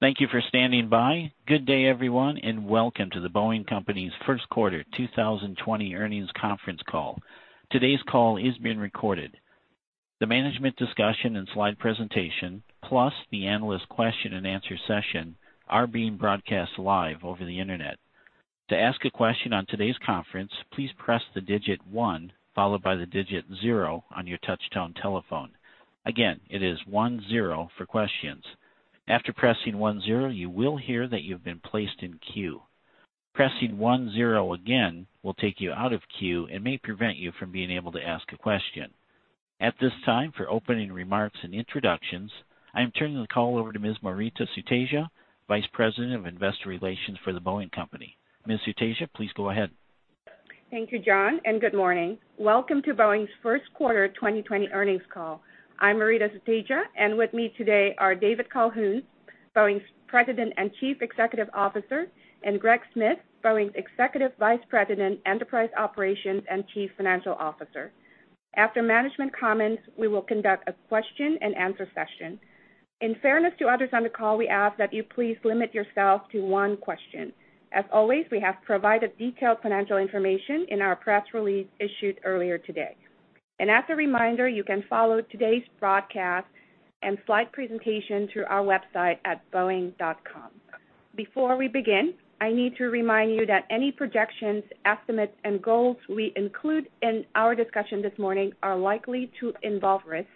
Thank you for standing by. Good day, everyone, and welcome to The Boeing Company's First Quarter 2020 Earnings Conference Call. Today's call is being recorded. The management discussion and slide presentation, plus the analyst question and answer session, are being broadcast live over the internet. To ask a question on today's conference, please press the digit one, followed by the digit zero on your touchtone telephone. Again, it is one zero for questions. After pressing one zero, you will hear that you've been placed in queue. Pressing one zero again will take you out of queue and may prevent you from being able to ask a question. At this time, for opening remarks and introductions, I am turning the call over to Ms. Maurita Sutedja, Vice President of Investor Relations for The Boeing Company. Ms. Sutedja, please go ahead. Thank you, John. Good morning. Welcome to Boeing's First Quarter 2020 Earnings Call. I'm Maurita Sutedja, and with me today are David Calhoun, Boeing's President and Chief Executive Officer, and Greg Smith, Boeing's Executive Vice President, Enterprise Operations and Chief Financial Officer. After management comments, we will conduct a question and answer session. In fairness to others on the call, we ask that you please limit yourself to one question. As always, we have provided detailed financial information in our press release issued earlier today. As a reminder, you can follow today's broadcast and slide presentation through our website at boeing.com. Before we begin, I need to remind you that any projections, estimates, and goals we include in our discussion this morning are likely to involve risks,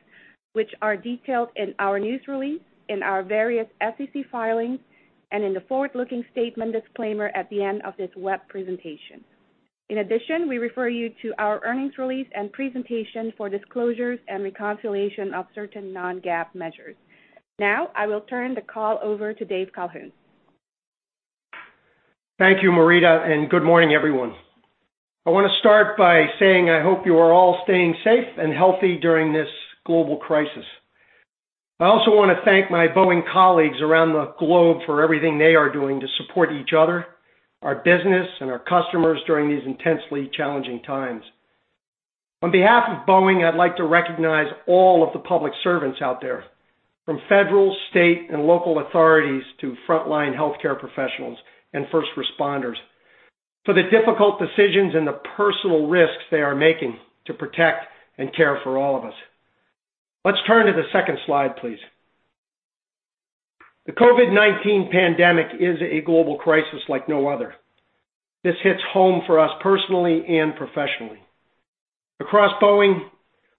which are detailed in our news release, in our various SEC filings, and in the forward-looking statement disclaimer at the end of this web presentation. In addition, we refer you to our earnings release and presentation for disclosures and reconciliation of certain non-GAAP measures. Now, I will turn the call over to Dave Calhoun. Thank you, Maurita. Good morning, everyone. I want to start by saying I hope you are all staying safe and healthy during this global crisis. I also want to thank my Boeing colleagues around the globe for everything they are doing to support each other, our business, and our customers during these intensely challenging times. On behalf of Boeing, I'd like to recognize all of the public servants out there, from federal, state, and local authorities to frontline healthcare professionals and first responders, for the difficult decisions and the personal risks they are making to protect and care for all of us. Let's turn to the second slide, please. The COVID-19 pandemic is a global crisis like no other. This hits home for us personally and professionally. Across Boeing,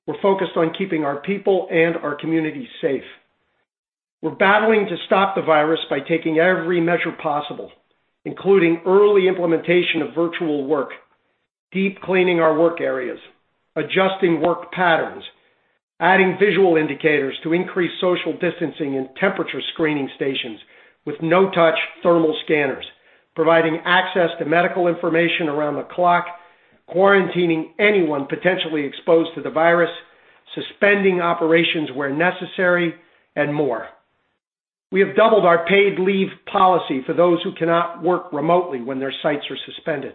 we're focused on keeping our people and our communities safe. We're battling to stop the virus by taking every measure possible, including early implementation of virtual work, deep cleaning our work areas, adjusting work patterns, adding visual indicators to increase social distancing, and temperature screening stations with no-touch thermal scanners, providing access to medical information around the clock, quarantining anyone potentially exposed to the virus, suspending operations where necessary, and more. We have doubled our paid leave policy for those who cannot work remotely when their sites are suspended.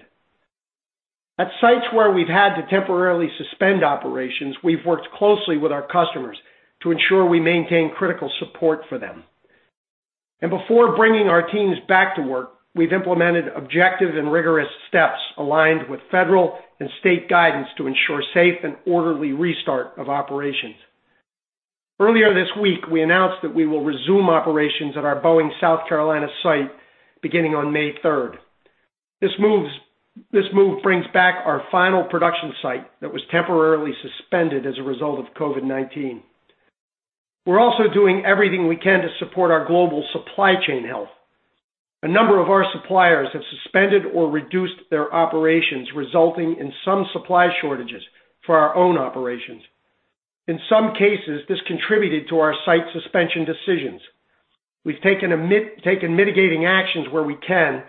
At sites where we've had to temporarily suspend operations, we've worked closely with our customers to ensure we maintain critical support for them. Before bringing our teams back to work, we've implemented objective and rigorous steps aligned with federal and state guidance to ensure safe and orderly restart of operations. Earlier this week, we announced that we will resume operations at our Boeing South Carolina site beginning on May 3rd. This move brings back our final production site that was temporarily suspended as a result of COVID-19. We're also doing everything we can to support our global supply chain health. A number of our suppliers have suspended or reduced their operations, resulting in some supply shortages for our own operations. In some cases, this contributed to our site suspension decisions. We've taken mitigating actions where we can,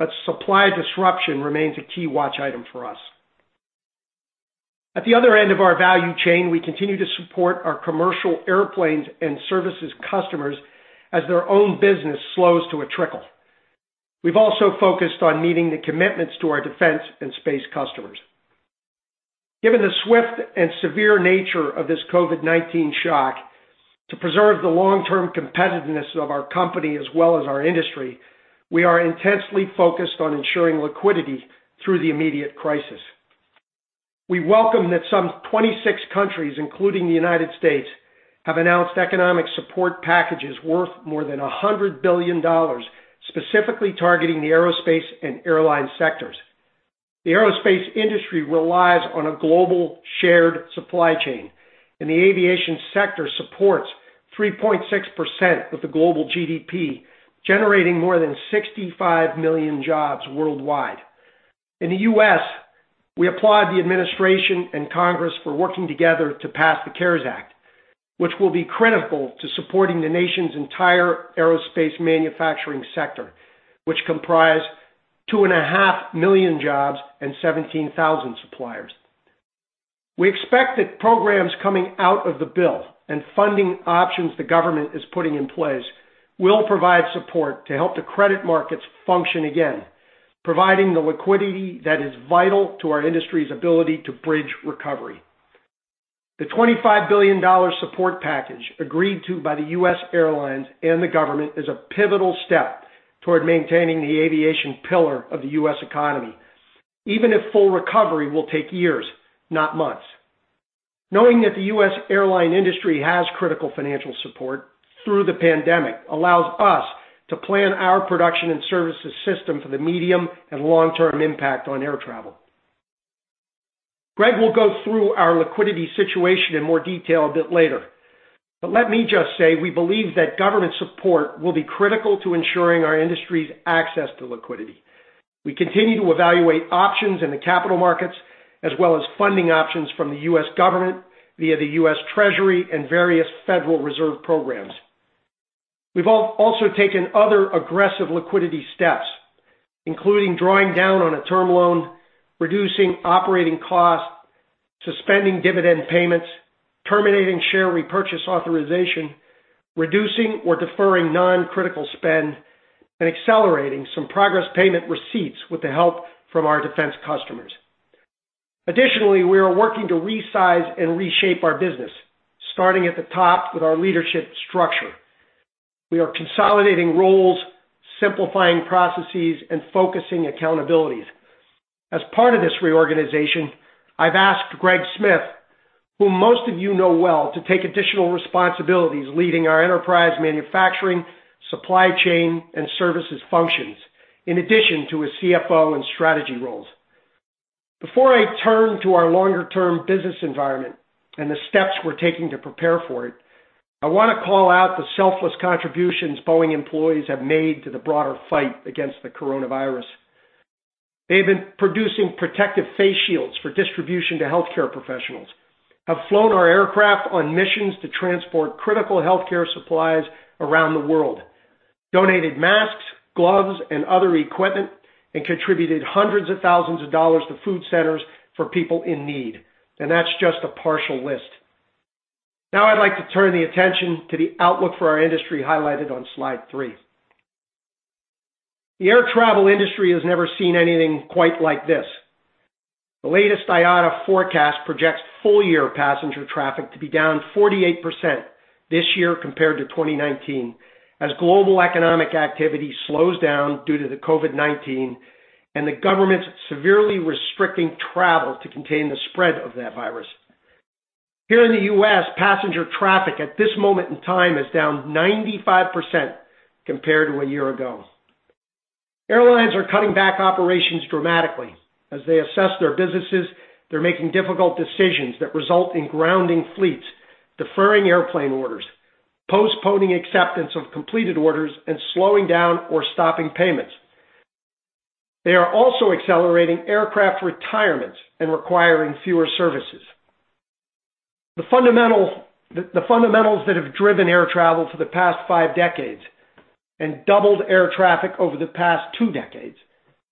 but supply disruption remains a key watch item for us. At the other end of our value chain, we continue to support our commercial airplanes and services customers as their own business slows to a trickle. We've also focused on meeting the commitments to our defense and space customers. Given the swift and severe nature of this COVID-19 shock, to preserve the long-term competitiveness of our company as well as our industry, we are intensely focused on ensuring liquidity through the immediate crisis. We welcome that some 26 countries, including the United States, have announced economic support packages worth more than $100 billion, specifically targeting the aerospace and airline sectors. The aerospace industry relies on a global shared supply chain, and the aviation sector supports 3.6% of the global GDP, generating more than 65 million jobs worldwide. In the U.S., we applaud the administration and Congress for working together to pass the CARES Act, which will be critical to supporting the nation's entire aerospace manufacturing sector, which comprise 2.5 million jobs and 17,000 suppliers. We expect that programs coming out of the bill and funding options the government is putting in place will provide support to help the credit markets function again, providing the liquidity that is vital to our industry's ability to bridge recovery. The $25 billion support package agreed to by the U.S. airlines and the government is a pivotal step toward maintaining the aviation pillar of the U.S. economy, even if full recovery will take years, not months. Knowing that the U.S. airline industry has critical financial support through the pandemic allows us to plan our production and services system for the medium and long-term impact on air travel. Greg will go through our liquidity situation in more detail a bit later. Let me just say, we believe that government support will be critical to ensuring our industry's access to liquidity. We continue to evaluate options in the capital markets, as well as funding options from the U.S. government via the U.S. Treasury and various Federal Reserve programs. We've also taken other aggressive liquidity steps, including drawing down on a term loan, reducing operating costs, suspending dividend payments, terminating share repurchase authorization, reducing or deferring non-critical spend, and accelerating some progress payment receipts with the help from our defense customers. Additionally, we are working to resize and reshape our business, starting at the top with our leadership structure. We are consolidating roles, simplifying processes, and focusing accountabilities. As part of this reorganization, I've asked Greg Smith, who most of you know well, to take additional responsibilities leading our enterprise manufacturing, supply chain, and services functions, in addition to his CFO and strategy roles. Before I turn to our longer-term business environment and the steps we're taking to prepare for it, I want to call out the selfless contributions Boeing employees have made to the broader fight against the coronavirus. They've been producing protective face shields for distribution to healthcare professionals, have flown our aircraft on missions to transport critical healthcare supplies around the world, donated masks, gloves, and other equipment, and contributed hundreds of thousands of dollars to food centers for people in need. That's just a partial list. Now I'd like to turn the attention to the outlook for our industry highlighted on slide three. The air travel industry has never seen anything quite like this. The latest IATA forecast projects full-year passenger traffic to be down 48% this year compared to 2019, as global economic activity slows down due to the COVID-19 and the government severely restricting travel to contain the spread of that virus. Here in the U.S., passenger traffic at this moment in time is down 95% compared to a year ago. Airlines are cutting back operations dramatically. As they assess their businesses, they're making difficult decisions that result in grounding fleets, deferring airplane orders, postponing acceptance of completed orders, and slowing down or stopping payments. They are also accelerating aircraft retirements and requiring fewer services. The fundamentals that have driven air travel for the past five decades and doubled air traffic over the past two decades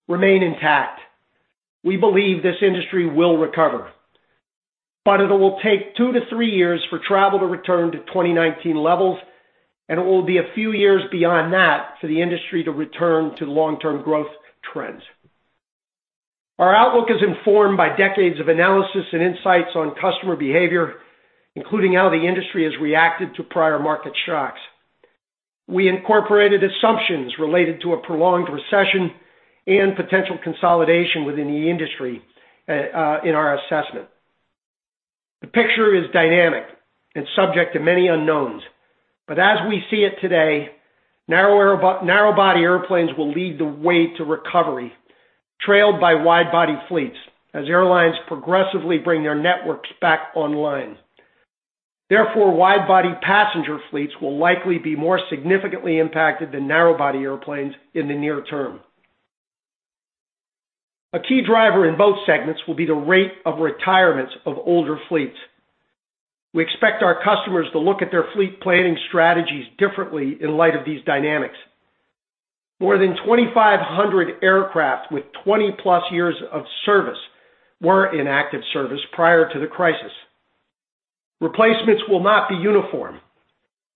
remain intact. We believe this industry will recover, but it will take two to three years for travel to return to 2019 levels, and it will be a few years beyond that for the industry to return to the long-term growth trends. Our outlook is informed by decades of analysis and insights on customer behavior, including how the industry has reacted to prior market shocks. We incorporated assumptions related to a prolonged recession and potential consolidation within the industry in our assessment. The picture is dynamic and subject to many unknowns. As we see it today, narrow-body airplanes will lead the way to recovery, trailed by wide-body fleets as airlines progressively bring their networks back online. Therefore, wide-body passenger fleets will likely be more significantly impacted than narrow-body airplanes in the near term. A key driver in both segments will be the rate of retirements of older fleets. We expect our customers to look at their fleet planning strategies differently in light of these dynamics. More than 2,500 aircraft with 20+ years of service were in active service prior to the crisis. Replacements will not be uniform,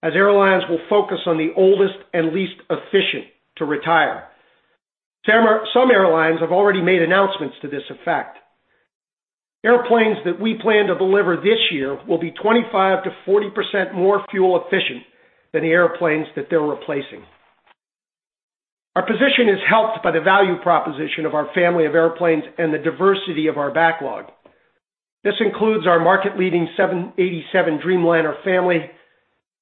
as airlines will focus on the oldest and least efficient to retire. Some airlines have already made announcements to this effect. Airplanes that we plan to deliver this year will be 25%-40% more fuel efficient than the airplanes that they're replacing. Our position is helped by the value proposition of our family of airplanes and the diversity of our backlog. This includes our market-leading 787 Dreamliner family,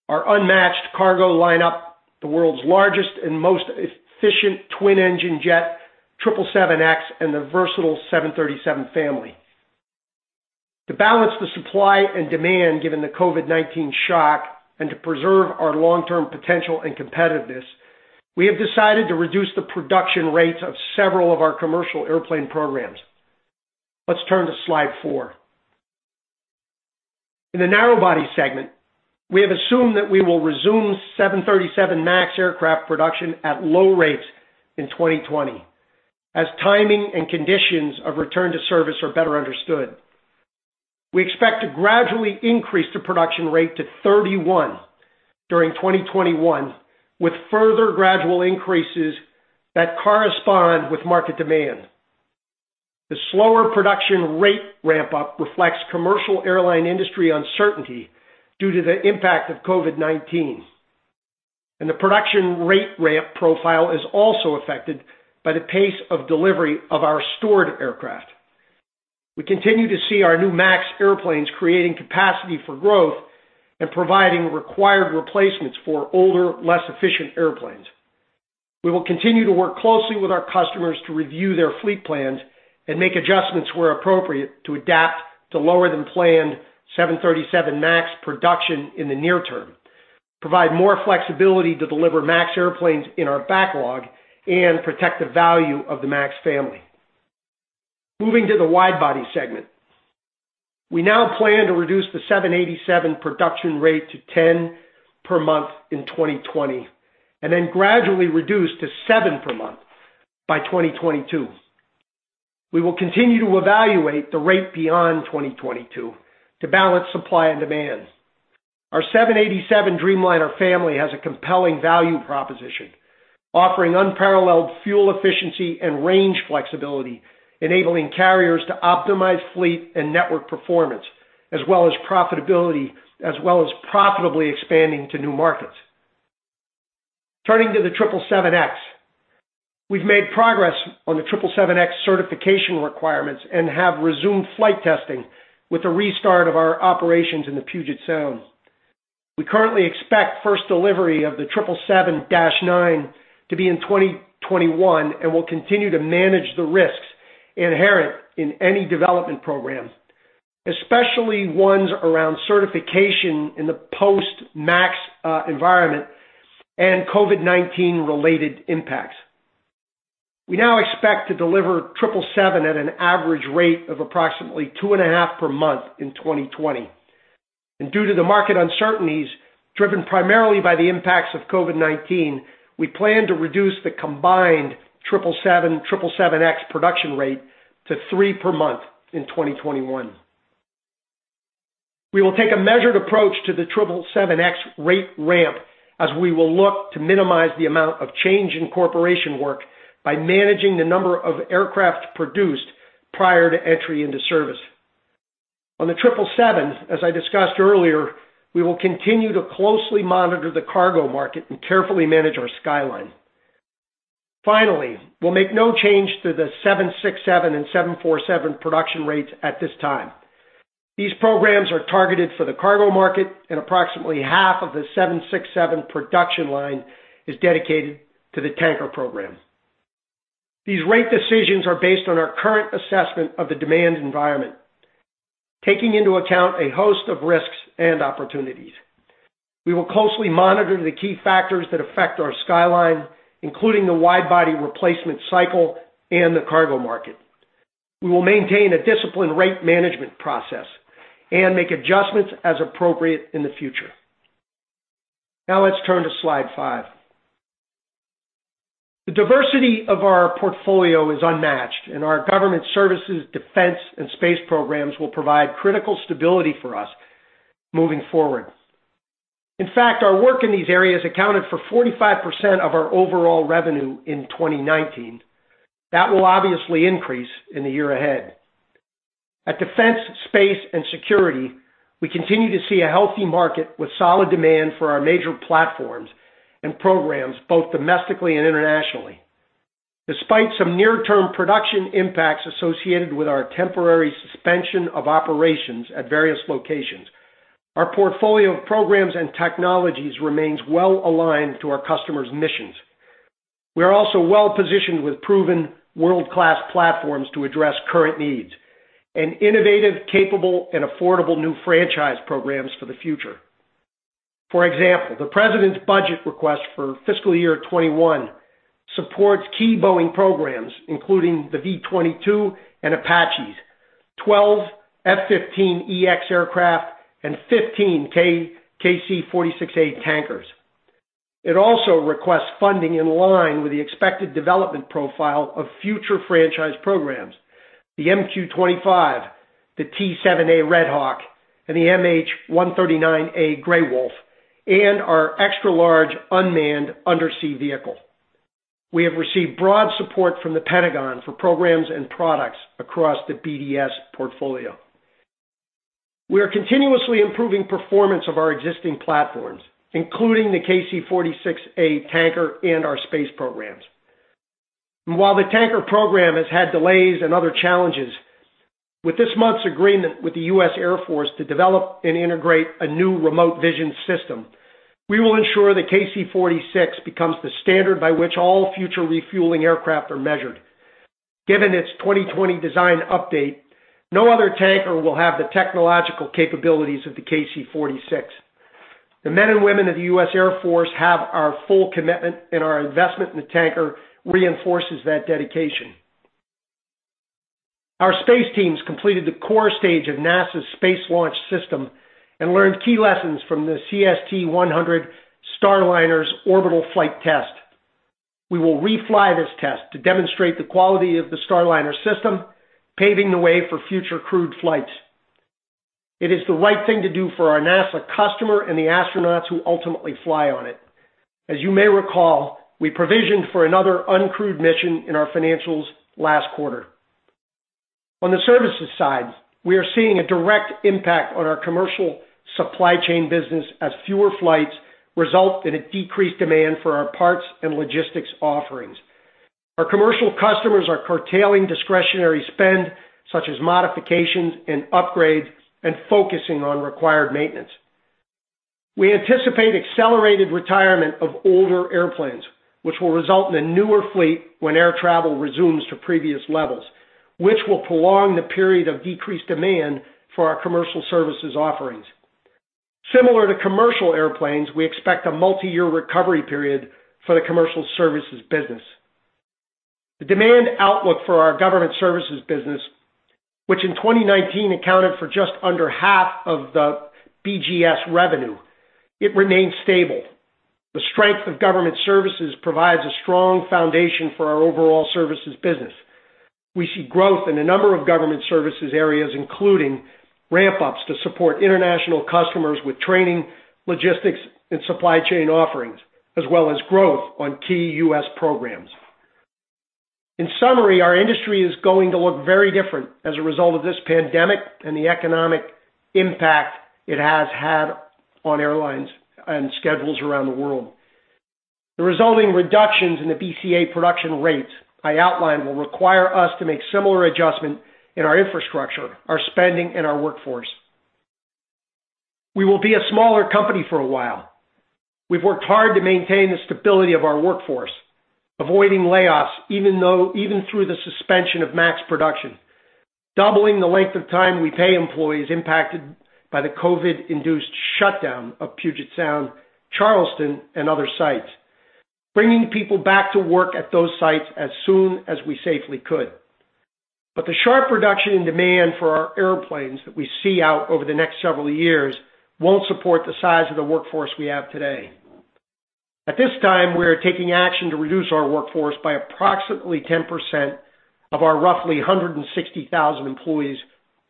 our unmatched cargo lineup, the world's largest and most efficient twin-engine jet, 777X, and the versatile 737 family. To balance the supply and demand given the COVID-19 shock and to preserve our long-term potential and competitiveness, we have decided to reduce the production rates of several of our commercial airplane programs. Let's turn to slide four. In the narrow-body segment, we have assumed that we will resume 737 MAX aircraft production at low rates in 2020, as timing and conditions of return to service are better understood. We expect to gradually increase the production rate to 31 during 2021, with further gradual increases that correspond with market demand. The slower production rate ramp-up reflects commercial airline industry uncertainty due to the impact of COVID-19. The production rate ramp profile is also affected by the pace of delivery of our stored aircraft. We continue to see our new MAX airplanes creating capacity for growth, and providing required replacements for older, less efficient airplanes. We will continue to work closely with our customers to review their fleet plans and make adjustments where appropriate to adapt to lower than planned 737 MAX production in the near term, provide more flexibility to deliver MAX airplanes in our backlog, and protect the value of the MAX family. Moving to the wide body segment. We now plan to reduce the 787 production rate to 10 per month in 2020, and then gradually reduce to seven per month by 2022. We will continue to evaluate the rate beyond 2022 to balance supply and demand. Our 787 Dreamliner family has a compelling value proposition, offering unparalleled fuel efficiency and range flexibility, enabling carriers to optimize fleet and network performance, as well as profitably expanding to new markets. Turning to the 777X. We've made progress on the 777X certification requirements and have resumed flight testing with the restart of our operations in the Puget Sound. We currently expect first delivery of the 777-9 to be in 2021, will continue to manage the risks inherent in any development program, especially ones around certification in the post-MAX environment and COVID-19 related impacts. We now expect to deliver 777 at an average rate of approximately two and a half per month in 2020. Due to the market uncertainties driven primarily by the impacts of COVID-19, we plan to reduce the combined 777, 777X production rate to three per month in 2021. We will take a measured approach to the 777X rate ramp as we will look to minimize the amount of change in incorporation work by managing the number of aircraft produced prior to entry into service. On the 777, as I discussed earlier, we will continue to closely monitor the cargo market and carefully manage our pipeline. We'll make no change to the 767 and 747 production rates at this time. These programs are targeted for the cargo market, and approximately half of the 767 production line is dedicated to the tanker program. These rate decisions are based on our current assessment of the demand environment, taking into account a host of risks and opportunities. We will closely monitor the key factors that affect our pipeline, including the wide-body replacement cycle and the cargo market. We will maintain a disciplined rate management process and make adjustments as appropriate in the future. Let's turn to slide five. The diversity of our portfolio is unmatched, and our government services, defense, and space programs will provide critical stability for us moving forward. In fact, our work in these areas accounted for 45% of our overall revenue in 2019. That will obviously increase in the year ahead. At Defense, Space & Security, we continue to see a healthy market with solid demand for our major platforms and programs, both domestically and internationally. Despite some near-term production impacts associated with our temporary suspension of operations at various locations, our portfolio of programs and technologies remains well-aligned to our customers' missions. We are also well-positioned with proven world-class platforms to address current needs, and innovative, capable, and affordable new franchise programs for the future. For example, the President's budget request for fiscal year 2021 supports key Boeing programs, including the V-22 and Apaches, 12 F-15EX aircraft, and 15 KC-46A tankers. It also requests funding in line with the expected development profile of future franchise programs, the MQ-25, the T-7A Red Hawk, and the MH-139A Grey Wolf, and our extra-large unmanned undersea vehicle. We have received broad support from The Pentagon for programs and products across the BDS portfolio. We are continuously improving performance of our existing platforms, including the KC-46A tanker and our space programs. While the tanker program has had delays and other challenges, with this month's agreement with the U.S. Air Force to develop and integrate a new Remote Vision System, we will ensure the KC-46 becomes the standard by which all future refueling aircraft are measured. Given its 2020 design update, no other tanker will have the technological capabilities of the KC-46. The men and women of the U.S. Air Force have our full commitment, our investment in the tanker reinforces that dedication. Our space teams completed the core stage of NASA's Space Launch System, and learned key lessons from the CST-100 Starliner's Orbital Flight Test. We will refly this test to demonstrate the quality of the Starliner system, paving the way for future crewed flights. It is the right thing to do for our NASA customer and the astronauts who ultimately fly on it. As you may recall, we provisioned for another uncrewed mission in our financials last quarter. On the services side, we are seeing a direct impact on our commercial supply chain business as fewer flights result in a decreased demand for our parts and logistics offerings. Our commercial customers are curtailing discretionary spend, such as modifications and upgrades, and focusing on required maintenance. We anticipate accelerated retirement of older airplanes, which will result in a newer fleet when air travel resumes to previous levels, which will prolong the period of decreased demand for our commercial services offerings. Similar to commercial airplanes, we expect a multi-year recovery period for the commercial services business. The demand outlook for our government services business, which in 2019 accounted for just under half of the BGS revenue, it remains stable. The strength of government services provides a strong foundation for our overall services business. We see growth in a number of government services areas, including ramp-ups to support international customers with training, logistics, and supply chain offerings, as well as growth on key U.S. programs. In summary, our industry is going to look very different as a result of this pandemic and the economic impact it has had on airlines and schedules around the world. The resulting reductions in the BCA production rates I outlined will require us to make similar adjustments in our infrastructure, our spending, and our workforce. We will be a smaller company for a while. We've worked hard to maintain the stability of our workforce, avoiding layoffs even through the suspension of MAX production. Doubling the length of time we pay employees impacted by the COVID-induced shutdown of Puget Sound, Charleston, and other sites, bringing people back to work at those sites as soon as we safely could. The sharp reduction in demand for our airplanes that we see out over the next several years won't support the size of the workforce we have today. At this time, we are taking action to reduce our workforce by approximately 10% of our roughly 160,000 employees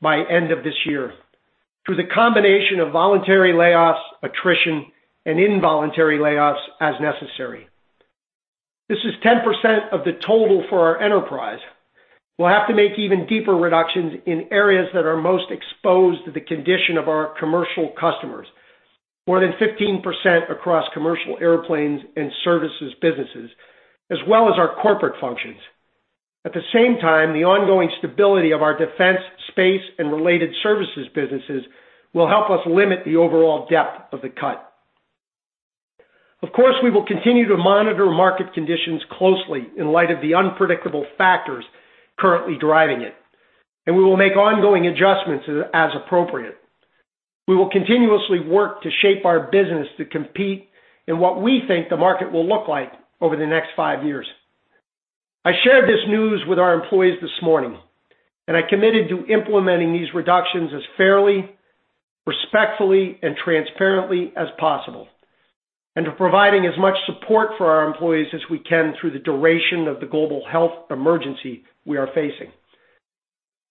by end of this year, through the combination of voluntary layoffs, attrition, and involuntary layoffs as necessary. This is 10% of the total for our enterprise. We'll have to make even deeper reductions in areas that are most exposed to the condition of our commercial customers. More than 15% across commercial airplanes and services businesses, as well as our corporate functions. At the same time, the ongoing stability of our Defense, Space & Services businesses will help us limit the overall depth of the cut. Of course, we will continue to monitor market conditions closely in light of the unpredictable factors currently driving it, and we will make ongoing adjustments as appropriate. We will continuously work to shape our business to compete in what we think the market will look like over the next five years. I shared this news with our employees this morning, and I committed to implementing these reductions as fairly, respectfully, and transparently as possible, and to providing as much support for our employees as we can through the duration of the global health emergency we are facing.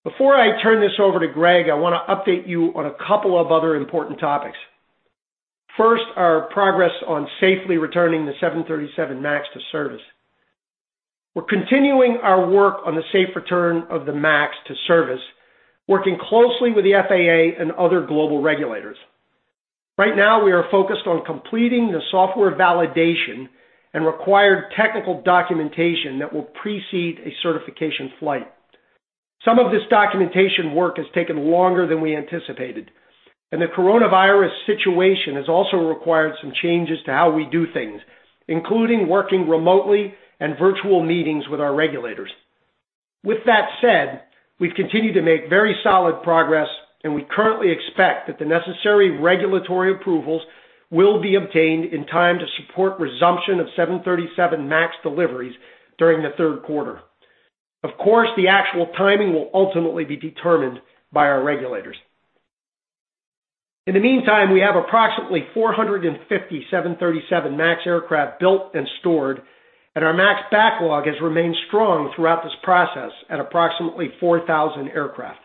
Before I turn this over to Greg, I want to update you on a couple of other important topics. First, our progress on safely returning the 737 MAX to service. We're continuing our work on the safe return of the MAX to service, working closely with the FAA and other global regulators. Right now, we are focused on completing the software validation and required technical documentation that will precede a certification flight. Some of this documentation work has taken longer than we anticipated, and the coronavirus situation has also required some changes to how we do things, including working remotely and virtual meetings with our regulators. With that said, we've continued to make very solid progress, and we currently expect that the necessary regulatory approvals will be obtained in time to support resumption of 737 MAX deliveries during the third quarter. Of course, the actual timing will ultimately be determined by our regulators. In the meantime, we have approximately 450 737 MAX aircraft built and stored, and our MAX backlog has remained strong throughout this process at approximately 4,000 aircraft.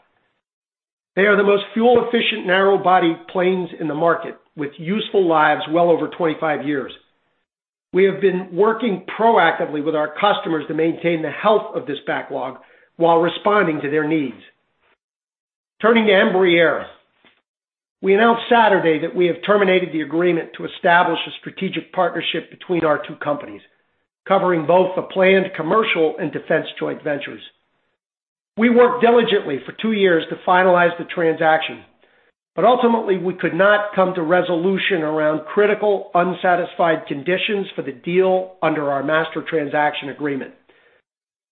They are the most fuel-efficient narrow-body planes in the market, with useful lives well over 25 years. We have been working proactively with our customers to maintain the health of this backlog while responding to their needs. Turning to Embraer. We announced Saturday that we have terminated the agreement to establish a strategic partnership between our two companies, covering both the planned commercial and defense joint ventures. Ultimately, we could not come to resolution around critical unsatisfied conditions for the deal under our Master Transaction Agreement.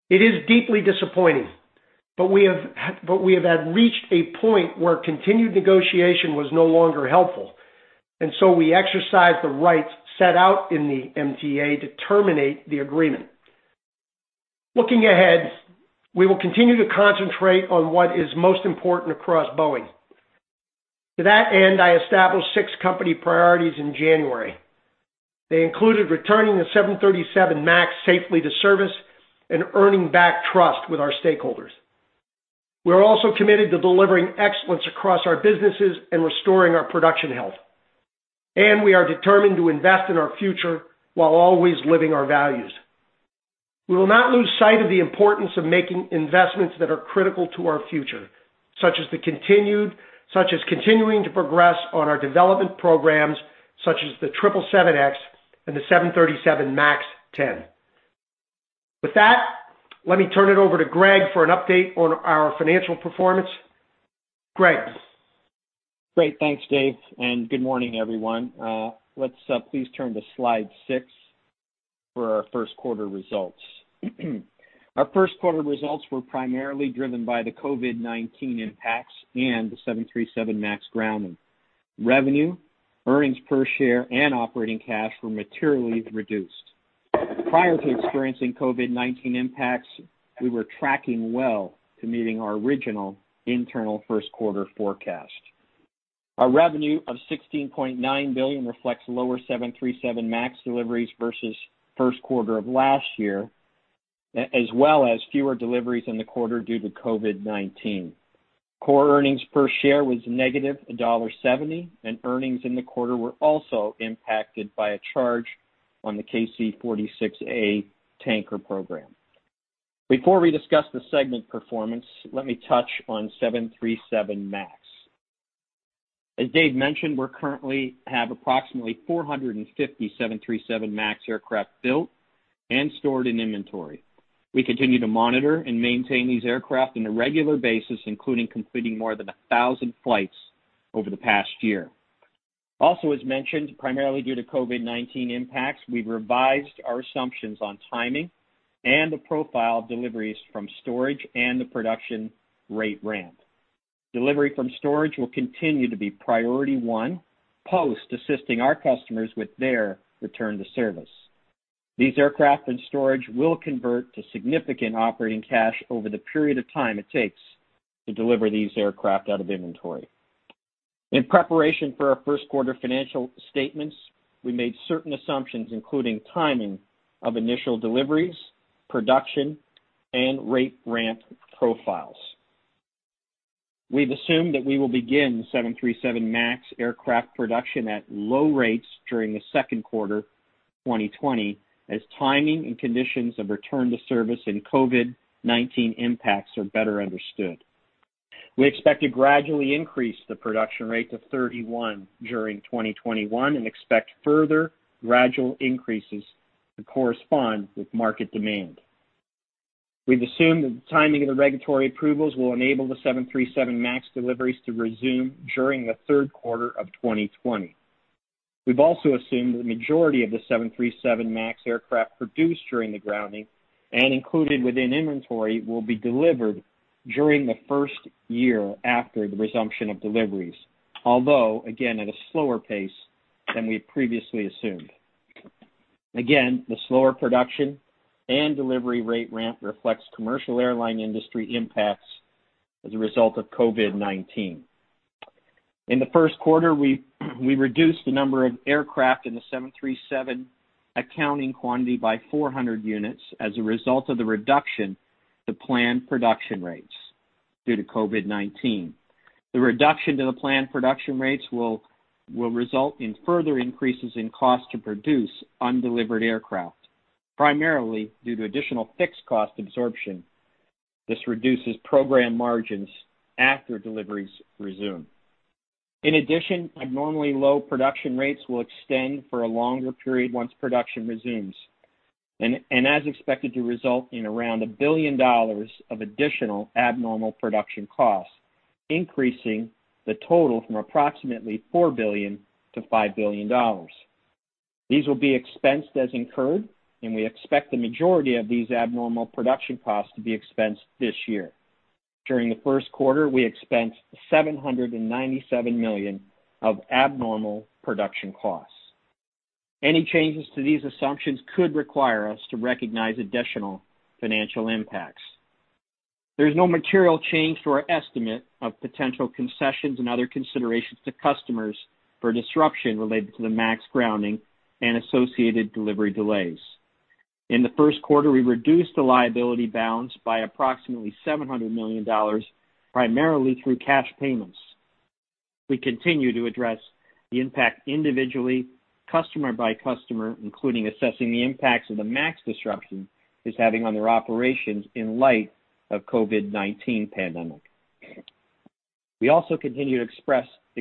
It is deeply disappointing, we have reached a point where continued negotiation was no longer helpful, we exercised the rights set out in the MTA to terminate the agreement. Looking ahead, we will continue to concentrate on what is most important across Boeing. To that end, I established six company priorities in January. They included returning the 737 MAX safely to service and earning back trust with our stakeholders. We're also committed to delivering excellence across our businesses and restoring our production health, we are determined to invest in our future while always living our values. We will not lose sight of the importance of making investments that are critical to our future, such as continuing to progress on our development programs such as the 777X the 737 MAX 10. With that, let me turn it over to Greg for an update on our financial performance. Greg. Great. Thanks, Dave. Good morning, everyone. Let's please turn to slide six for our first quarter results. Our first quarter results were primarily driven by the COVID-19 impacts and the 737 MAX grounding. Revenue, earnings per share, and operating cash were materially reduced. Prior to experiencing COVID-19 impacts, we were tracking well to meeting our original internal first quarter forecast. Our revenue of $16.9 billion reflects lower 737 MAX deliveries versus first quarter of last year, as well as fewer deliveries in the quarter due to COVID-19. Core earnings per share was -$1.70. Earnings in the quarter were also impacted by a charge on the KC-46A tanker program. Before we discuss the segment performance, let me touch on 737 MAX. As Dave mentioned, we currently have approximately 450 737 MAX aircraft built and stored in inventory. We continue to monitor and maintain these aircraft on a regular basis, including completing more than 1,000 flights over the past year. As mentioned, primarily due to COVID-19 impacts, we've revised our assumptions on timing and the profile of deliveries from storage and the production rate ramp. Delivery from storage will continue to be priority one, post assisting our customers with their return to service. These aircraft in storage will convert to significant operating cash over the period of time it takes to deliver these aircraft out of inventory. In preparation for our first quarter financial statements, we made certain assumptions, including timing of initial deliveries, production, and rate ramp profiles. We've assumed that we will begin 737 MAX aircraft production at low rates during the second quarter 2020, as timing and conditions of return to service and COVID-19 impacts are better understood. We expect to gradually increase the production rate to 31 during 2021 and expect further gradual increases to correspond with market demand. We've assumed that the timing of the regulatory approvals will enable the 737 MAX deliveries to resume during the third quarter of 2020. We've also assumed that the majority of the 737 MAX aircraft produced during the grounding and included within inventory will be delivered during the first year after the resumption of deliveries. Although, again, at a slower pace than we had previously assumed. Again, the slower production and delivery rate ramp reflects commercial airline industry impacts as a result of COVID-19. In the first quarter, we reduced the number of aircraft in the 737 accounting quantity by 400 units as a result of the reduction to planned production rates due to COVID-19. The reduction to the planned production rates will result in further increases in cost to produce undelivered aircraft, primarily due to additional fixed cost absorption. This reduces program margins after deliveries resume. Abnormally low production rates will extend for a longer period once production resumes, and as expected, to result in around $1 billion of additional abnormal production costs, increasing the total from approximately $4 billion to $5 billion. These will be expensed as incurred. We expect the majority of these abnormal production costs to be expensed this year. During the first quarter, we expensed $797 million of abnormal production costs. Any changes to these assumptions could require us to recognize additional financial impacts. There is no material change to our estimate of potential concessions and other considerations to customers for disruption related to the MAX grounding and associated delivery delays. In the first quarter, we reduced the liability balance by approximately $700 million, primarily through cash payments. We continue to address the impact individually, customer by customer, including assessing the impacts that the MAX disruption is having on their operations in light of COVID-19 pandemic. We also continue to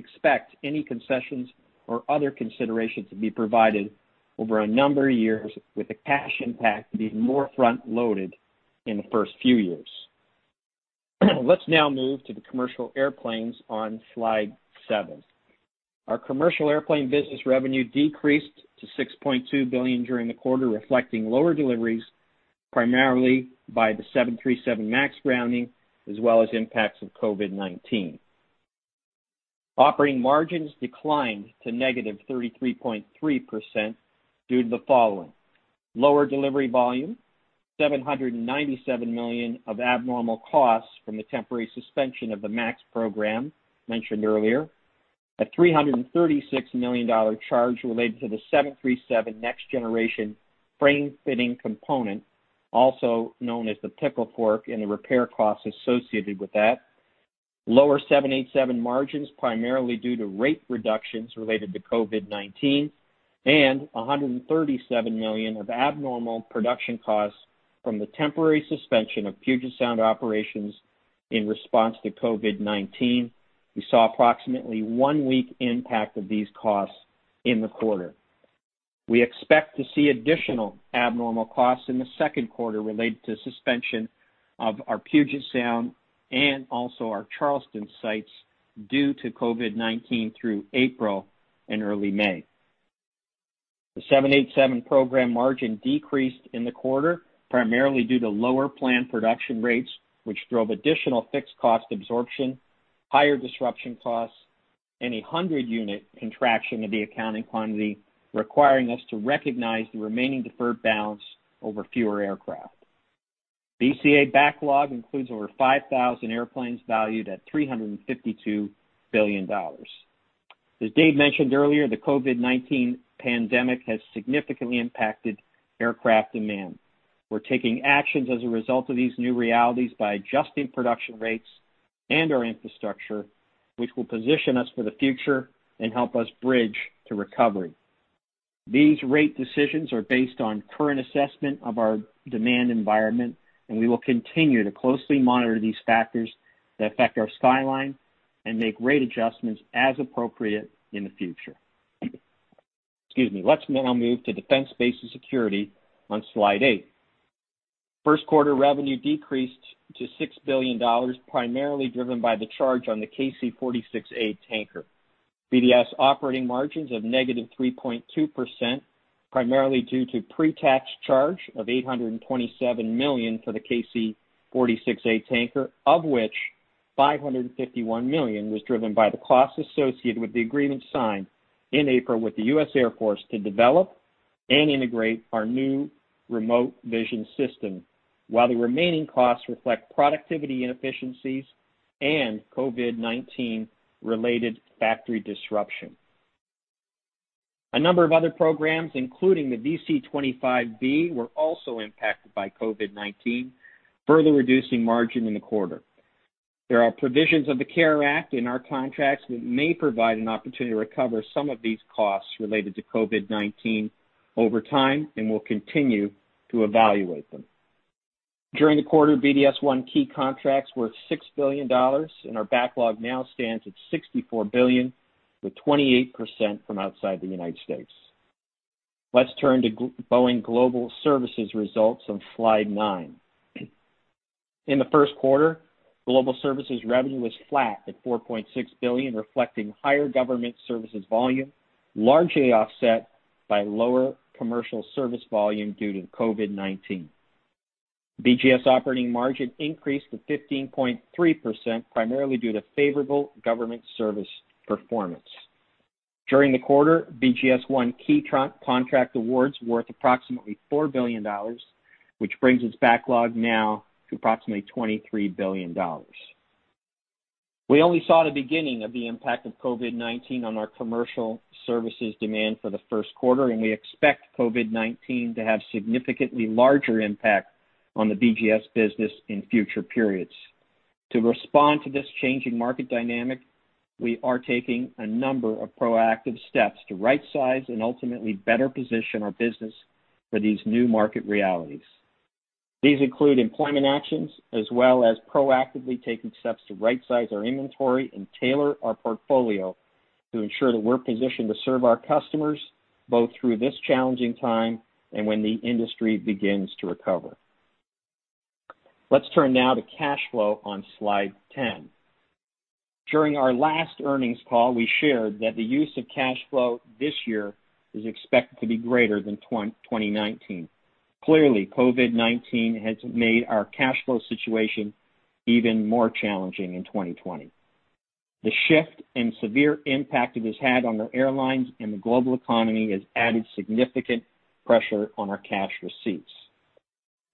expect any concessions or other consideration to be provided over a number of years with the cash impact being more front-loaded in the first few years. Let's now move to the commercial airplanes on slide seven. Our commercial airplane business revenue decreased to $6.2 billion during the quarter, reflecting lower deliveries, primarily by the 737 MAX grounding, as well as impacts of COVID-19. Operating margins declined to -33.3% due to the following: lower delivery volume, $797 million of abnormal costs from the temporary suspension of the MAX program mentioned earlier, a $336 million charge related to the 737 Next Generation frame fitting component, also known as the pickle fork, and the repair costs associated with that, lower 787 margins, primarily due to rate reductions related to COVID-19, and $137 million of abnormal production costs from the temporary suspension of Puget Sound operations in response to COVID-19. We saw approximately one week impact of these costs in the quarter. We expect to see additional abnormal production costs in the second quarter related to suspension of our Puget Sound and also our Charleston sites due to COVID-19 through April and early May. The 787 program margin decreased in the quarter, primarily due to lower planned production rates, which drove additional fixed cost absorption, higher disruption costs, and a 100 unit contraction of the accounting quantity, requiring us to recognize the remaining deferred balance over fewer aircraft. BCA backlog includes over 5,000 airplanes valued at $352 billion. As Dave mentioned earlier, the COVID-19 pandemic has significantly impacted aircraft demand. We're taking actions as a result of these new realities by adjusting production rates and our infrastructure, which will position us for the future and help us bridge to recovery. These rate decisions are based on current assessment of our demand environment, we will continue to closely monitor these factors that affect our skyline and make rate adjustments as appropriate in the future. Excuse me. Let's now move to Defense, Space & Security on slide eight. First quarter revenue decreased to $6 billion, primarily driven by the charge on the KC-46A tanker. BDS operating margins of negative 3.2%, primarily due to pre-tax charge of $827 million for the KC-46A tanker, of which $551 million was driven by the costs associated with the agreement signed in April with the U.S. Air Force to develop and integrate our new Remote Vision System, while the remaining costs reflect productivity inefficiencies and COVID-19 related factory disruption. A number of other programs, including the VC-25B, were also impacted by COVID-19, further reducing margin in the quarter. There are provisions of the CARES Act in our contracts that may provide an opportunity to recover some of these costs related to COVID-19 over time, and we'll continue to evaluate them. During the quarter, BDS won key contracts worth $6 billion, and our backlog now stands at $64 billion, with 28% from outside the United States. Let's turn to Boeing Global Services results on slide nine. In the first quarter, global services revenue was flat at $4.6 billion, reflecting higher government services volume, largely offset by lower commercial service volume due to COVID-19. BGS operating margin increased to 15.3%, primarily due to favorable government service performance. During the quarter, BGS won key contract awards worth approximately $4 billion, which brings its backlog now to approximately $23 billion. We only saw the beginning of the impact of COVID-19 on our commercial services demand for the first quarter. We expect COVID-19 to have significantly larger impact on the BGS business in future periods. To respond to this changing market dynamic, we are taking a number of proactive steps to rightsize and ultimately better position our business for these new market realities. These include employment actions, as well as proactively taking steps to rightsize our inventory and tailor our portfolio to ensure that we're positioned to serve our customers both through this challenging time and when the industry begins to recover. Let's turn now to cash flow on slide 10. During our last earnings call, we shared that the use of cash flow this year is expected to be greater than 2019. Clearly, COVID-19 has made our cash flow situation even more challenging in 2020. The shift and severe impact it has had on the airlines and the global economy has added significant pressure on our cash receipts.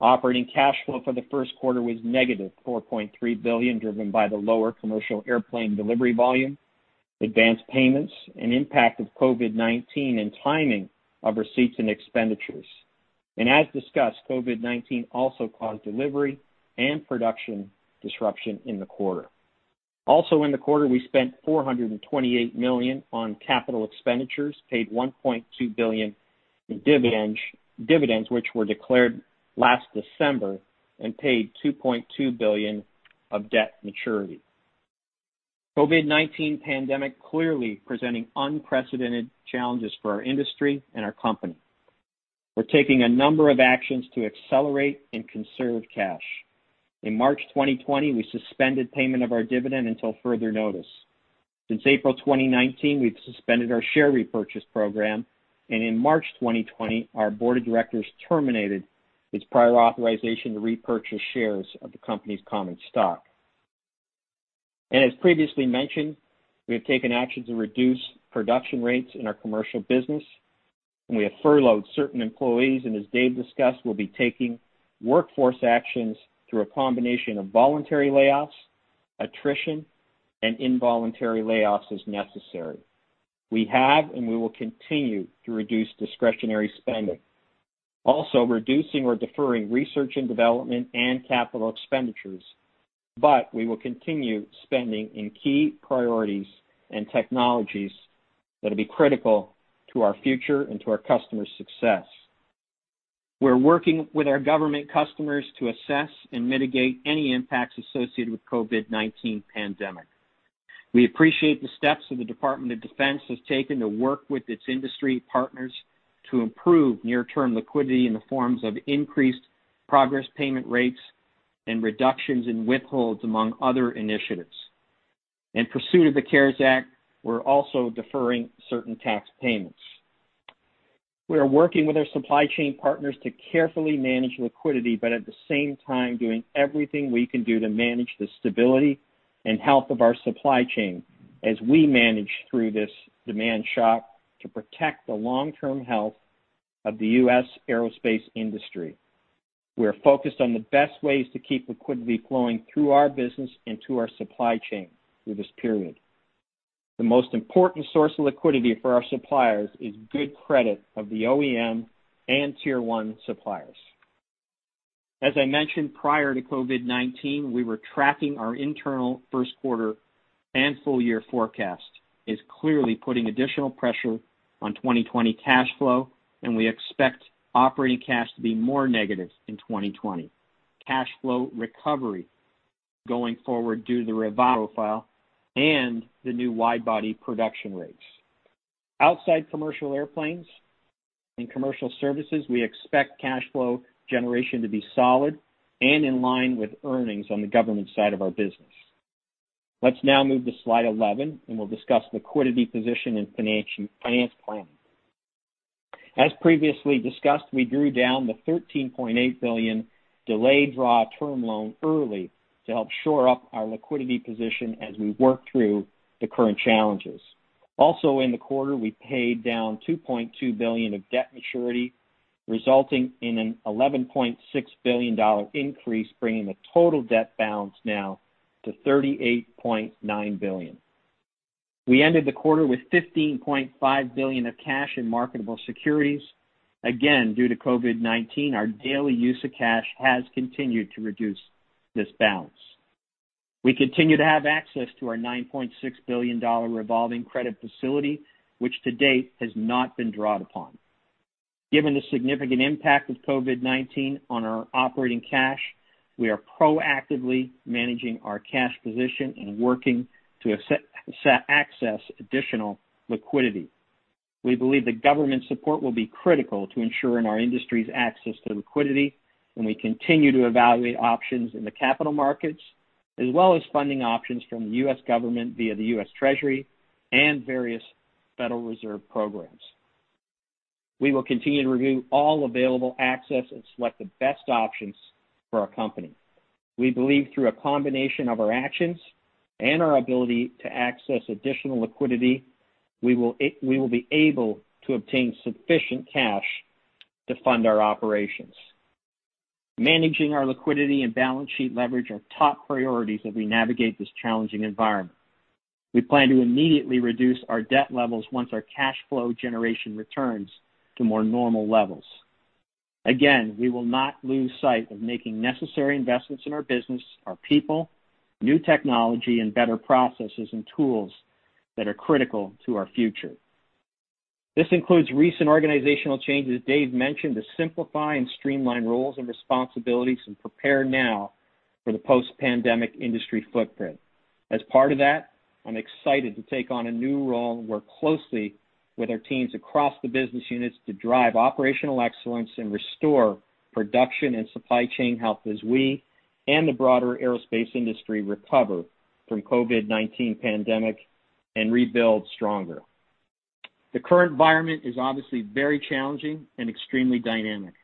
Operating cash flow for the first quarter was -$4.3 billion, driven by the lower commercial airplane delivery volume, advanced payments, and impact of COVID-19 and timing of receipts and expenditures. As discussed, COVID-19 also caused delivery and production disruption in the quarter. Also, in the quarter, we spent $428 million on capital expenditures, paid $1.2 billion in dividends, which were declared last December, and paid $2.2 billion of debt maturity. COVID-19 pandemic clearly presenting unprecedented challenges for our industry and our company. We're taking a number of actions to accelerate and conserve cash. In March 2020, we suspended payment of our dividend until further notice. Since April 2019, we've suspended our share repurchase program, and in March 2020, our board of directors terminated its prior authorization to repurchase shares of the company's common stock. As previously mentioned, we have taken action to reduce production rates in our commercial business, and we have furloughed certain employees. As Dave discussed, we'll be taking workforce actions through a combination of voluntary layoffs, attrition, and involuntary layoffs as necessary. We have, and we will continue to reduce discretionary spending. Also reducing or deferring research and development and capital expenditures, but we will continue spending in key priorities and technologies that'll be critical to our future and to our customers' success. We're working with our government customers to assess and mitigate any impacts associated with COVID-19 pandemic. We appreciate the steps that the Department of Defense has taken to work with its industry partners to improve near-term liquidity in the forms of increased progress payment rates and reductions in withholds, among other initiatives. In pursuit of the CARES Act, we're also deferring certain tax payments. We are working with our supply chain partners to carefully manage liquidity. At the same time, doing everything we can do to manage the stability and health of our supply chain as we manage through this demand shock to protect the long-term health of the U.S. aerospace industry. We are focused on the best ways to keep liquidity flowing through our business and to our supply chain through this period. The most important source of liquidity for our suppliers is good credit of the OEM and Tier 1 suppliers. As I mentioned, prior to COVID-19, we were tracking our internal first quarter and full year forecast is clearly putting additional pressure on 2020 cash flow, and we expect operating cash to be more negative in 2020. Cash flow recovery going forward due to the revenue profile and the new wide body production rates. Outside commercial airplanes and commercial services, we expect cash flow generation to be solid and in line with earnings on the government side of our business. We'll now move to slide 11, and we'll discuss liquidity position and finance planning. As previously discussed, we drew down the $13.8 billion delayed draw term loan early to help shore up our liquidity position as we work through the current challenges. Also in the quarter, we paid down $2.2 billion of debt maturity, resulting in an $11.6 billion increase, bringing the total debt balance now to $38.9 billion. We ended the quarter with $15.5 billion of cash in marketable securities. Again, due to COVID-19, our daily use of cash has continued to reduce this balance. We continue to have access to our $9.6 billion revolving credit facility, which to date has not been drawn upon. Given the significant impact of COVID-19 on our operating cash, we are proactively managing our cash position and working to access additional liquidity. We believe the government support will be critical to ensuring our industry's access to liquidity, and we continue to evaluate options in the capital markets, as well as funding options from the U.S. government via the U.S. Treasury and various Federal Reserve programs. We will continue to review all available access and select the best options for our company. We believe through a combination of our actions and our ability to access additional liquidity, we will be able to obtain sufficient cash to fund our operations. Managing our liquidity and balance sheet leverage are top priorities as we navigate this challenging environment. We plan to immediately reduce our debt levels once our cash flow generation returns to more normal levels. Again, we will not lose sight of making necessary investments in our business, our people, new technology, and better processes and tools that are critical to our future. This includes recent organizational changes Dave mentioned to simplify and streamline roles and responsibilities and prepare now for the post-pandemic industry footprint. As part of that, I'm excited to take on a new role and work closely with our teams across the business units to drive operational excellence and restore production and supply chain health as we and the broader aerospace industry recover from COVID-19 pandemic and rebuild stronger. The current environment is obviously very challenging and extremely dynamic.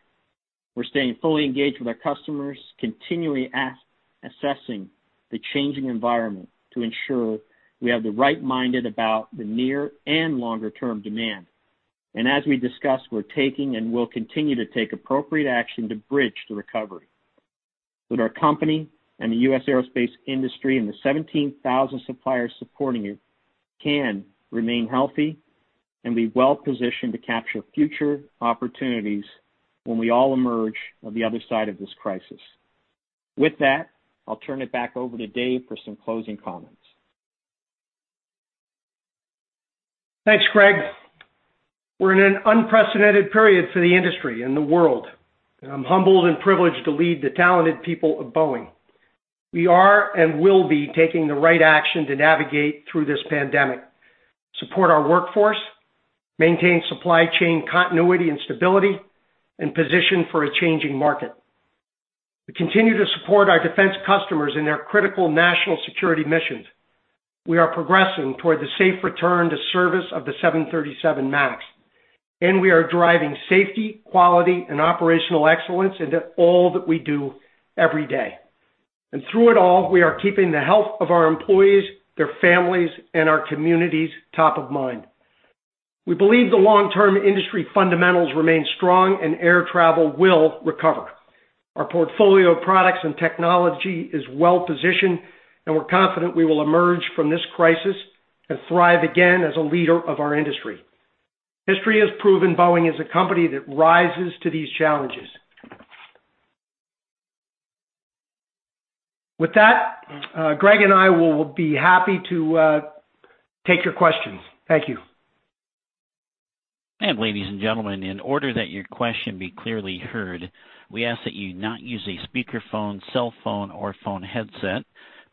We're staying fully engaged with our customers, continually assessing the changing environment to ensure we have the right mindset about the near and longer-term demand. As we discussed, we're taking and will continue to take appropriate action to bridge the recovery so that our company and the U.S. aerospace industry and the 17,000 suppliers supporting it can remain healthy and be well-positioned to capture future opportunities when we all emerge on the other side of this crisis. With that, I'll turn it back over to Dave for some closing comments. Thanks, Greg. We're in an unprecedented period for the industry and the world, and I'm humbled and privileged to lead the talented people of Boeing. We are and will be taking the right action to navigate through this pandemic, support our workforce, maintain supply chain continuity and stability, and position for a changing market. We continue to support our defense customers in their critical national security missions. We are progressing toward the safe return to service of the 737 MAX. We are driving safety, quality, and operational excellence into all that we do every day. Through it all, we are keeping the health of our employees, their families, and our communities top of mind. We believe the long-term industry fundamentals remain strong and air travel will recover. Our portfolio of products and technology is well-positioned, and we're confident we will emerge from this crisis and thrive again as a leader of our industry. History has proven Boeing is a company that rises to these challenges. With that, Greg and I will be happy to take your questions. Thank you. Ladies and gentlemen, in order that your question be clearly heard, we ask that you not use a speakerphone, cell phone, or phone headset.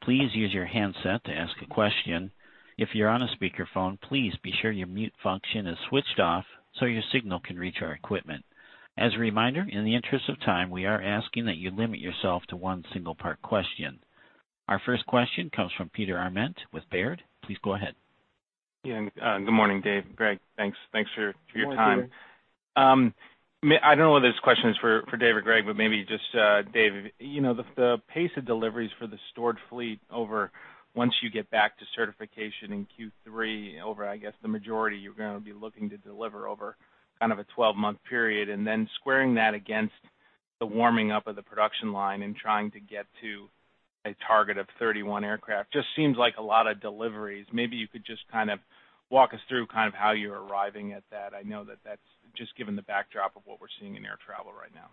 Please use your handset to ask a question. If you're on a speakerphone, please be sure your mute function is switched off so your signal can reach our equipment. As a reminder, in the interest of time, we are asking that you limit yourself to one single part question. Our first question comes from Peter Arment with Baird. Please go ahead. Yeah. Good morning, Dave, Greg. Thanks for your time. Good morning, Peter. I don't know whether this question is for Dave or Greg, but maybe just Dave. The pace of deliveries for the stored fleet over once you get back to certification in Q3, over, I guess, the majority you're going to be looking to deliver over kind of a 12-month period, and then squaring that against the warming up of the production line and trying to get to a target of 31 aircraft just seems like a lot of deliveries. Maybe you could just kind of walk us through kind of how you're arriving at that. I know that that's just given the backdrop of what we're seeing in air travel right now.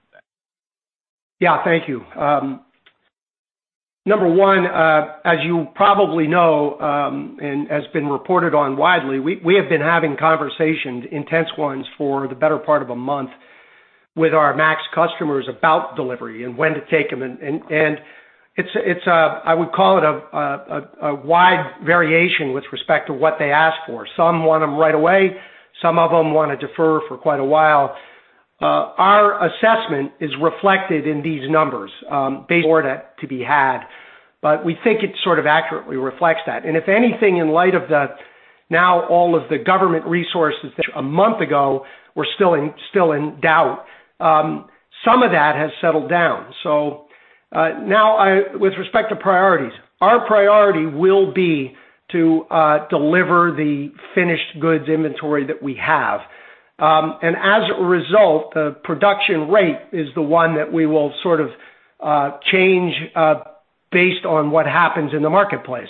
Thank you. Number one, as you probably know, and has been reported on widely, we have been having conversations, intense ones, for the better part of a month with our MAX customers about delivery and when to take them. I would call it a wide variation with respect to what they ask for. Some want them right away. Some of them want to defer for quite a while. Our assessment is reflected in these numbers. More to be had. We think it sort of accurately reflects that. If anything, in light of the now all of the government resources that a month ago were still in doubt. Some of that has settled down. Now, with respect to priorities, our priority will be to deliver the finished goods inventory that we have. As a result, the production rate is the one that we will sort of change based on what happens in the marketplace.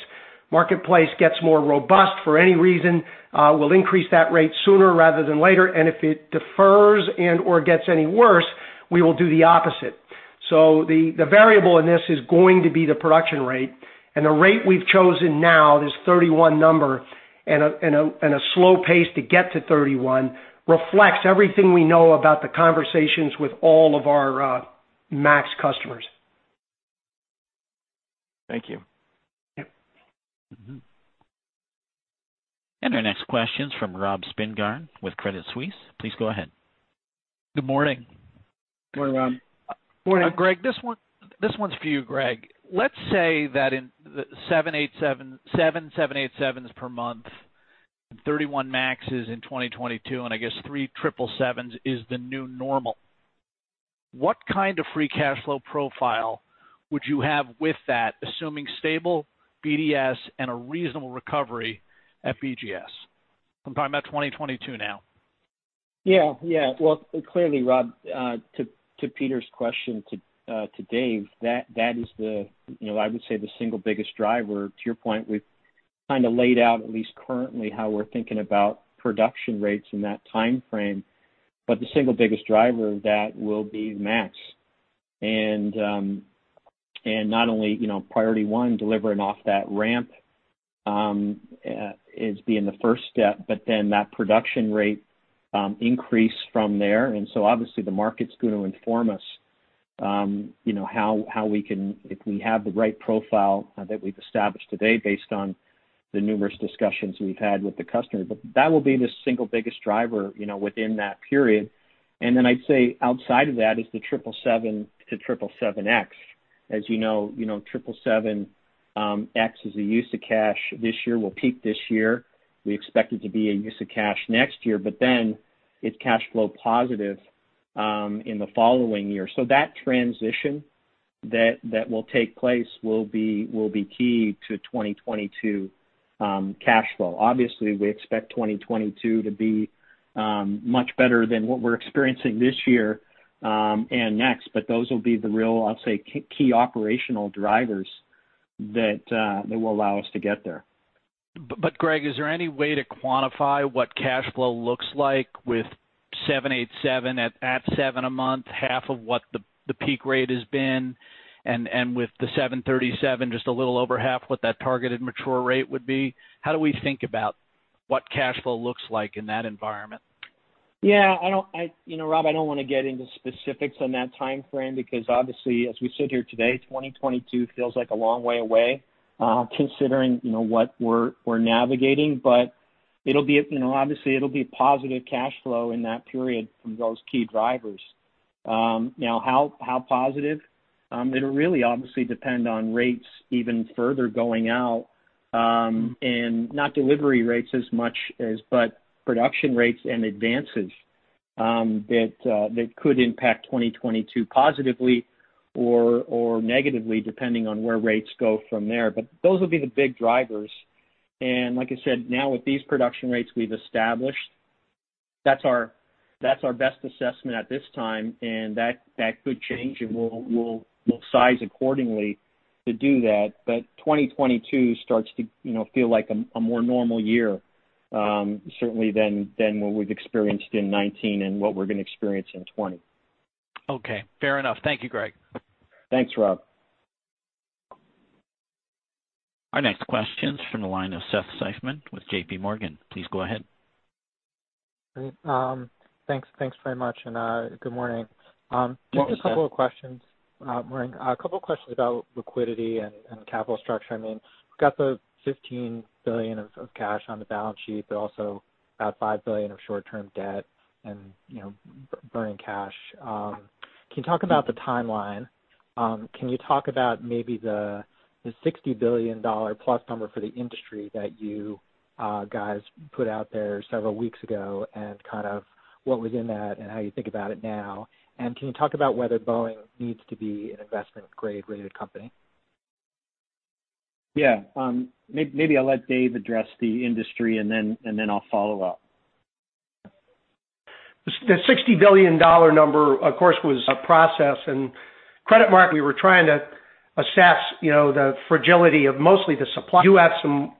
Marketplace gets more robust for any reason, we'll increase that rate sooner rather than later. If it defers and/or gets any worse, we will do the opposite. The variable in this is going to be the production rate, and the rate we've chosen now, this 31 number and a slow pace to get to 31, reflects everything we know about the conversations with all of our MAX customers. Thank you. Yep. Our next question's from Rob Spingarn with Credit Suisse. Please go ahead. Good morning. Morning, Rob. Morning. Greg, this one's for you, Greg. Let's say that in seven 787s per month and 31 MAXes in 2022, and I guess three 777s is the new normal. What kind of free cash flow profile would you have with that, assuming stable BDS and a reasonable recovery at BGS? I'm talking about 2022 now. Yeah. Well, clearly, Rob, to Peter's question to Dave, that is the, I would say, the single biggest driver. To your point, we've kind of laid out at least currently how we're thinking about production rates in that timeframe. The single biggest driver of that will be MAX. Not only priority one, delivering off that ramp is being the first step, but then that production rate increase from there. Obviously the market's going to inform us, if we have the right profile that we've established today based on the numerous discussions we've had with the customer. That will be the single biggest driver within that period. I'd say outside of that is the 777 to 777X. As you know, 777X is a use of cash this year, will peak this year. We expect it to be a use of cash next year, it's cash flow positive in the following year. That transition that will take place will be key to 2022 cash flow. Obviously, we expect 2022 to be much better than what we're experiencing this year, and next, those will be the real, I'll say, key operational drivers that will allow us to get there. Greg, is there any way to quantify what cash flow looks like with 787 at seven a month, half of what the peak rate has been, and with the 737 just a little over half what that targeted mature rate would be? How do we think about what cash flow looks like in that environment? Yeah. Rob, I don't want to get into specifics on that timeframe because obviously as we sit here today, 2022 feels like a long way away, considering what we're navigating. It'll be, obviously, it'll be positive cash flow in that period from those key drivers. How positive? It'll really obviously depend on rates even further going out, and not delivery rates as much as, but production rates and advances that could impact 2022 positively or negatively, depending on where rates go from there. Those will be the big drivers. Like I said, now with these production rates we've established, that's our best assessment at this time, and that could change, and we'll size accordingly to do that. 2022 starts to feel like a more normal year, certainly than what we've experienced in 2019 and what we're going to experience in 2020. Okay. Fair enough. Thank you, Greg. Thanks, Rob. Our next question's from the line of Seth Seifman with JPMorgan. Please go ahead. Great. Thanks very much, and good morning. Morning, Seth. Just a couple of questions. A couple of questions about liquidity and capital structure. We've got the $15 billion of cash on the balance sheet, but also about $5 billion of short-term debt and burning cash. Can you talk about the timeline? Can you talk about maybe the $60 billion+ number for the industry that you guys put out there several weeks ago and kind of what was in that and how you think about it now? Can you talk about whether Boeing needs to be an investment-grade rated company? Yeah. Maybe I'll let Dave address the industry, and then I'll follow up. The $60 billion number, of course, was a process, credit market, we were trying to assess the fragility of mostly the supply. You have some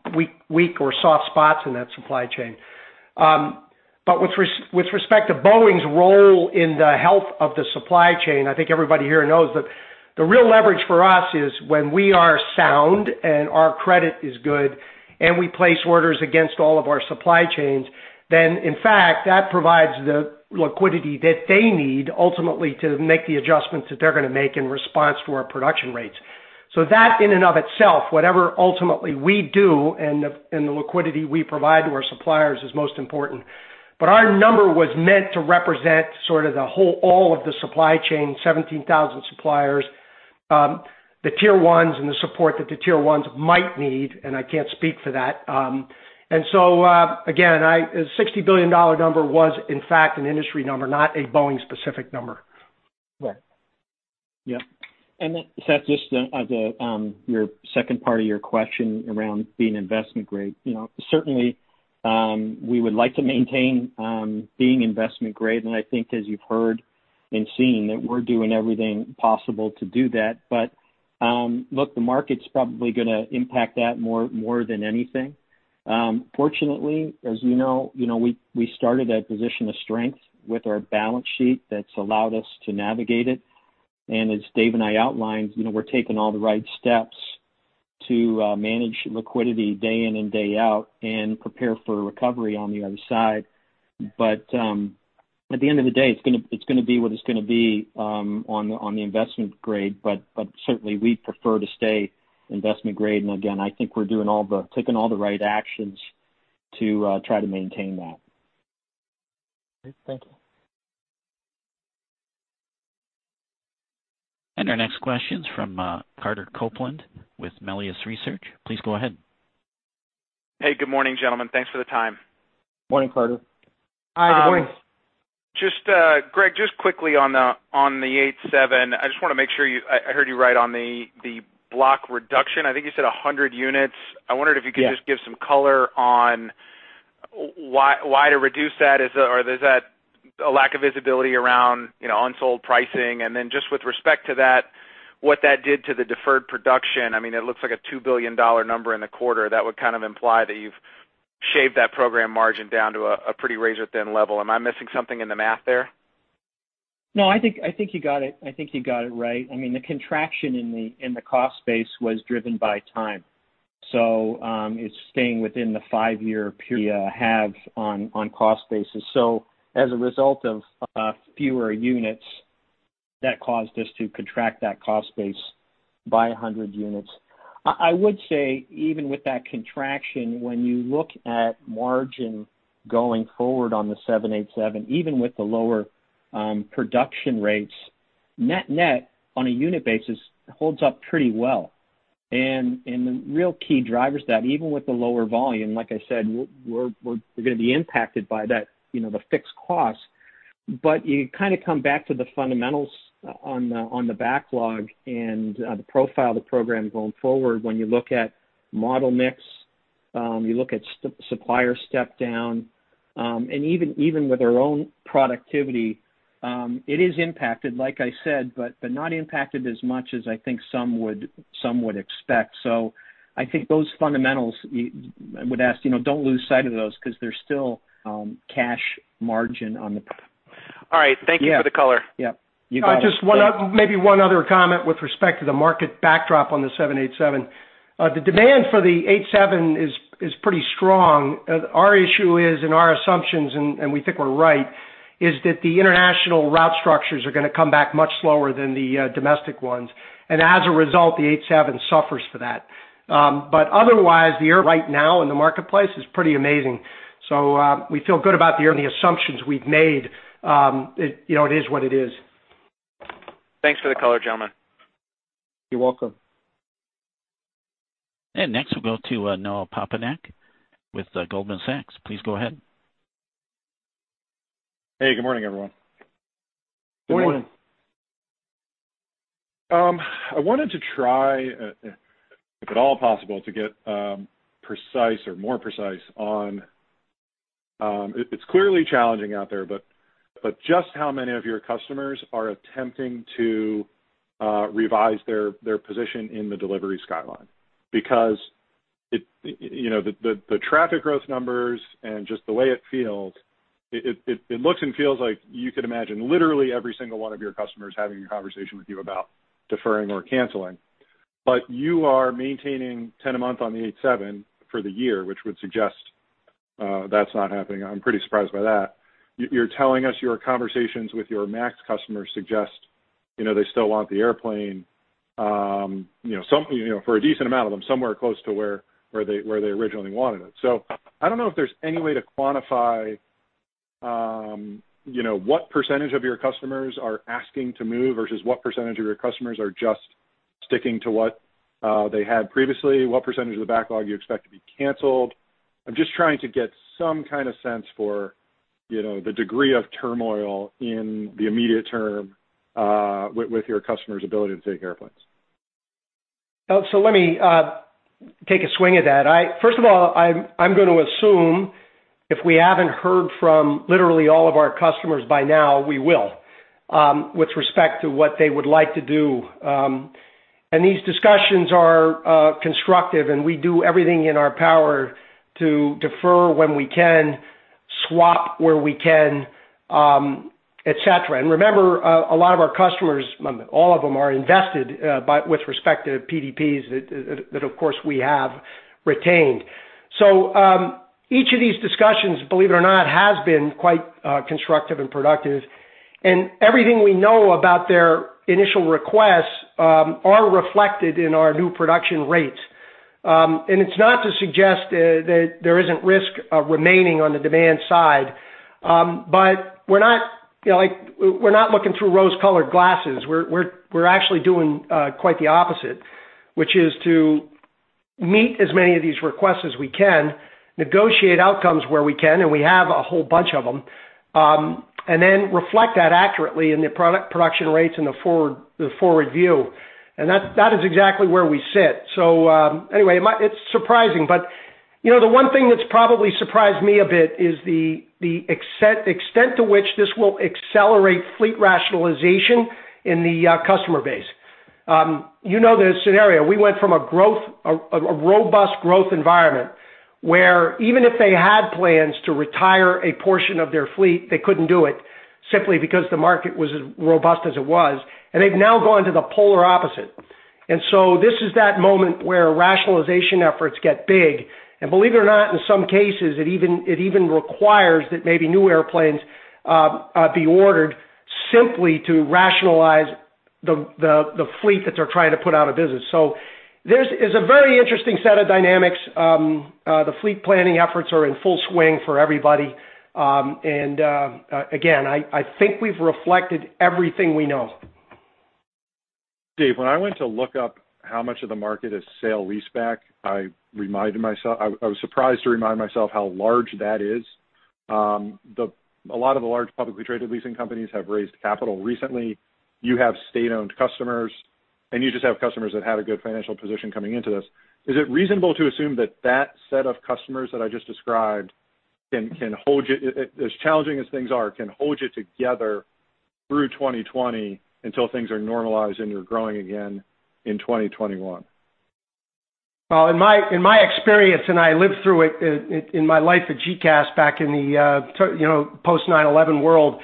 weak or soft spots in that supply chain. With respect to Boeing's role in the health of the supply chain, I think everybody here knows that the real leverage for us is when we are sound and our credit is good, and we place orders against all of our supply chains, in fact, that provides the liquidity that they need ultimately to make the adjustments that they're going to make in response to our production rates. That in and of itself, whatever ultimately we do and the liquidity we provide to our suppliers is most important. Our number was meant to represent sort of the whole, all of the supply chain, 17,000 suppliers, the Tier 1s and the support that the Tier 1s might need, and I can't speak for that. Again, the $60 billion number was in fact an industry number, not a Boeing specific number. Right. Yep. Seth, just as your second part of your question around being investment grade. Certainly, we would like to maintain being investment grade, and I think as you've heard and seen that we're doing everything possible to do that. Look, the market's probably going to impact that more than anything. Fortunately, as you know, we started at a position of strength with our balance sheet that's allowed us to navigate it. As Dave and I outlined, we're taking all the right steps to manage liquidity day in and day out and prepare for recovery on the other side. At the end of the day, it's going to be what it's going to be on the investment grade. Certainly, we'd prefer to stay investment grade. Again, I think we're taking all the right actions to try to maintain that. Great. Thank you. Our next question's from Carter Copeland with Melius Research. Please go ahead. Hey, good morning, gentlemen. Thanks for the time. Morning, Carter. Hi, good morning. Greg, just quickly on the 787, I just want to make sure I heard you right on the block reduction. I think you said 100 units. Yeah. I wondered if you could just give some color on why to reduce that. Is that a lack of visibility around unsold pricing? Just with respect to that, what that did to the deferred production, it looks like a $2 billion number in the quarter. That would kind of imply that you've shaved that program margin down to a pretty razor-thin level. Am I missing something in the math there? No, I think you got it right. The contraction in the cost base was driven by time. It's staying within the five-year period we have on cost basis. As a result of fewer units, that caused us to contract that cost base by 100 units. I would say even with that contraction, when you look at margin going forward on the 787, even with the lower production rates, net on a unit basis holds up pretty well. The real key drivers that even with the lower volume, like I said, we're going to be impacted by that, the fixed cost. You kind of come back to the fundamentals on the backlog and the profile of the program going forward. When you look at model mix, you look at supplier step down, and even with our own productivity, it is impacted, like I said, but not impacted as much as I think some would expect. I think those fundamentals, I would ask, don't lose sight of those because there's still cash margin. All right. Thank you for the color. Yeah. You got it. Just maybe one other comment with respect to the market backdrop on the 787. The demand for the 787 is pretty strong. Our issue is, and our assumptions, and we think we're right is that the international route structures are going to come back much slower than the domestic ones. As a result, the 787 suffers for that. Otherwise, the air right now in the marketplace is pretty amazing. We feel good about the early assumptions we've made. It is what it is. Thanks for the color, gentlemen. You're welcome. Next, we'll go to Noah Poponak with Goldman Sachs. Please go ahead. Hey, good morning, everyone. Good morning. Morning. I wanted to try, if at all possible, to get precise or more precise on It's clearly challenging out there, but just how many of your customers are attempting to revise their position in the delivery skyline? The traffic growth numbers and just the way it feels, it looks and feels like you could imagine literally every single one of your customers having a conversation with you about deferring or canceling. You are maintaining 10 a month on the 787 for the year, which would suggest that's not happening. I'm pretty surprised by that. You're telling us your conversations with your MAX customers suggest they still want the airplane for a decent amount of them, somewhere close to where they originally wanted it. I don't know if there's any way to quantify what percentage of your customers are asking to move versus what percentage of your customers are just sticking to what they had previously, what percentage of the backlog you expect to be canceled. I'm just trying to get some kind of sense for the degree of turmoil in the immediate term with your customers' ability to take airplanes. Let me take a swing at that. First of all, I'm going to assume if we haven't heard from literally all of our customers by now, we will, with respect to what they would like to do. These discussions are constructive, and we do everything in our power to defer when we can, swap where we can, et cetera. Remember, a lot of our customers, all of them, are invested with respect to the PDPs that of course we have retained. Each of these discussions, believe it or not, has been quite constructive and productive. Everything we know about their initial requests are reflected in our new production rates. It's not to suggest that there isn't risk remaining on the demand side, but we're not looking through rose-colored glasses. We're actually doing quite the opposite, which is to meet as many of these requests as we can, negotiate outcomes where we can, and we have a whole bunch of them, and then reflect that accurately in the production rates and the forward view. That is exactly where we sit. Anyway, it's surprising, but the one thing that's probably surprised me a bit is the extent to which this will accelerate fleet rationalization in the customer base. You know the scenario. We went from a robust growth environment where even if they had plans to retire a portion of their fleet, they couldn't do it simply because the market was as robust as it was, and they've now gone to the polar opposite. This is that moment where rationalization efforts get big, and believe it or not, in some cases, it even requires that maybe new airplanes be ordered simply to rationalize the fleet that they're trying to put out of business. This is a very interesting set of dynamics. The fleet planning efforts are in full swing for everybody. Again, I think we've reflected everything we know. Dave, when I went to look up how much of the market is sale-leaseback, I was surprised to remind myself how large that is. A lot of the large publicly traded leasing companies have raised capital recently. You have state-owned customers, you just have customers that had a good financial position coming into this. Is it reasonable to assume that that set of customers that I just described, as challenging as things are, can hold you together through 2020 until things are normalized and you're growing again in 2021? In my experience, and I lived through it in my life at GECAS back in the post-9/11 world,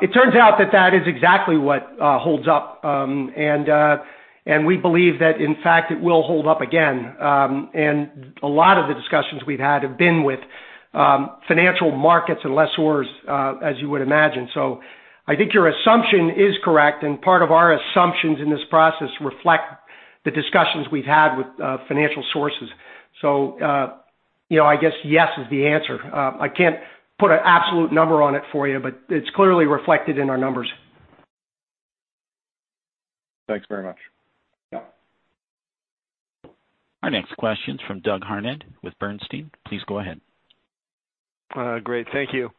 it turns out that that is exactly what holds up, and we believe that, in fact, it will hold up again. A lot of the discussions we've had have been with financial markets and lessors, as you would imagine. I think your assumption is correct, and part of our assumptions in this process reflect the discussions we've had with financial sources. I guess yes is the answer. I can't put an absolute number on it for you, but it's clearly reflected in our numbers. Thanks very much. Yeah. Our next question's from Doug Harned with Bernstein. Please go ahead. Great. Thank you.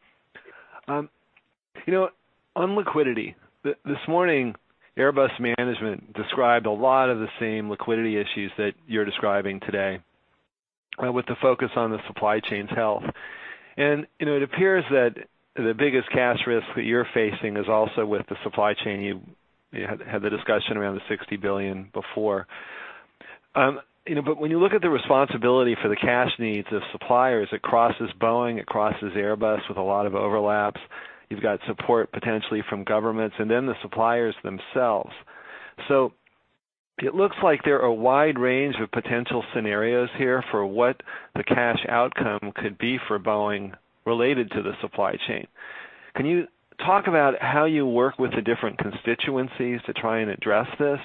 On liquidity, this morning, Airbus management described a lot of the same liquidity issues that you're describing today with the focus on the supply chain's health. It appears that the biggest cash risk that you're facing is also with the supply chain. You had the discussion around the $60 billion before. When you look at the responsibility for the cash needs of suppliers, it crosses Boeing, it crosses Airbus with a lot of overlaps. You've got support potentially from governments and then the suppliers themselves. It looks like there are a wide range of potential scenarios here for what the cash outcome could be for Boeing related to the supply chain. Can you talk about how you work with the different constituencies to try and address this?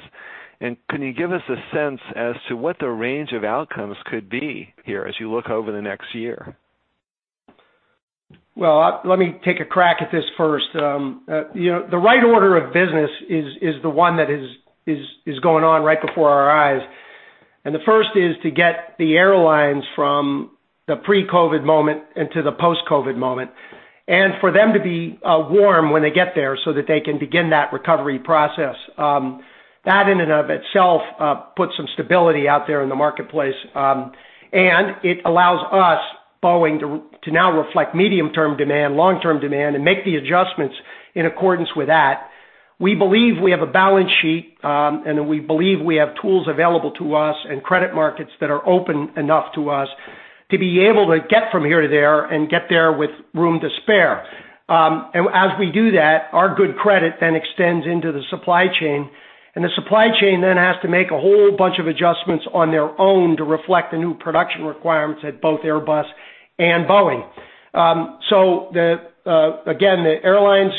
Can you give us a sense as to what the range of outcomes could be here as you look over the next year? Well, let me take a crack at this first. The right order of business is the one that is going on right before our eyes, and the first is to get the airlines from the pre-COVID-19 moment into the post-COVID-19 moment, and for them to be warm when they get there so that they can begin that recovery process. That in and of itself puts some stability out there in the marketplace, and it allows us, Boeing, to now reflect medium-term demand, long-term demand, and make the adjustments in accordance with that. We believe we have a balance sheet, and we believe we have tools available to us and credit markets that are open enough to us to be able to get from here to there and get there with room to spare. As we do that, our good credit then extends into the supply chain, and the supply chain then has to make a whole bunch of adjustments on their own to reflect the new production requirements at both Airbus and Boeing. Again, the airlines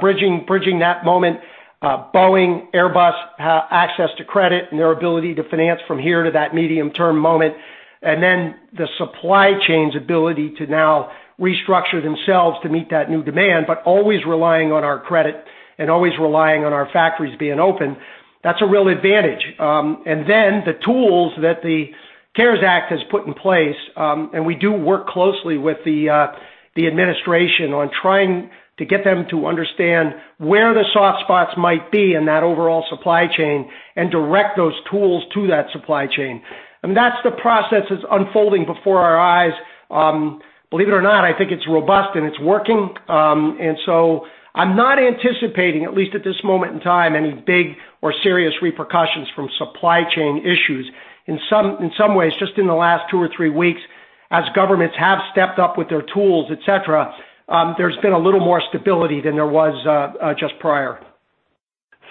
bridging that moment, Boeing, Airbus, access to credit and their ability to finance from here to that medium-term moment, and then the supply chain's ability to now restructure themselves to meet that new demand, but always relying on our credit and always relying on our factories being open, that's a real advantage. Then the tools that the CARES Act has put in place. We do work closely with the administration on trying to get them to understand where the soft spots might be in that overall supply chain and direct those tools to that supply chain. That's the process that's unfolding before our eyes. Believe it or not, I think it's robust and it's working. I'm not anticipating, at least at this moment in time, any big or serious repercussions from supply chain issues. In some ways, just in the last two or three weeks, as governments have stepped up with their tools, et cetera, there's been a little more stability than there was just prior.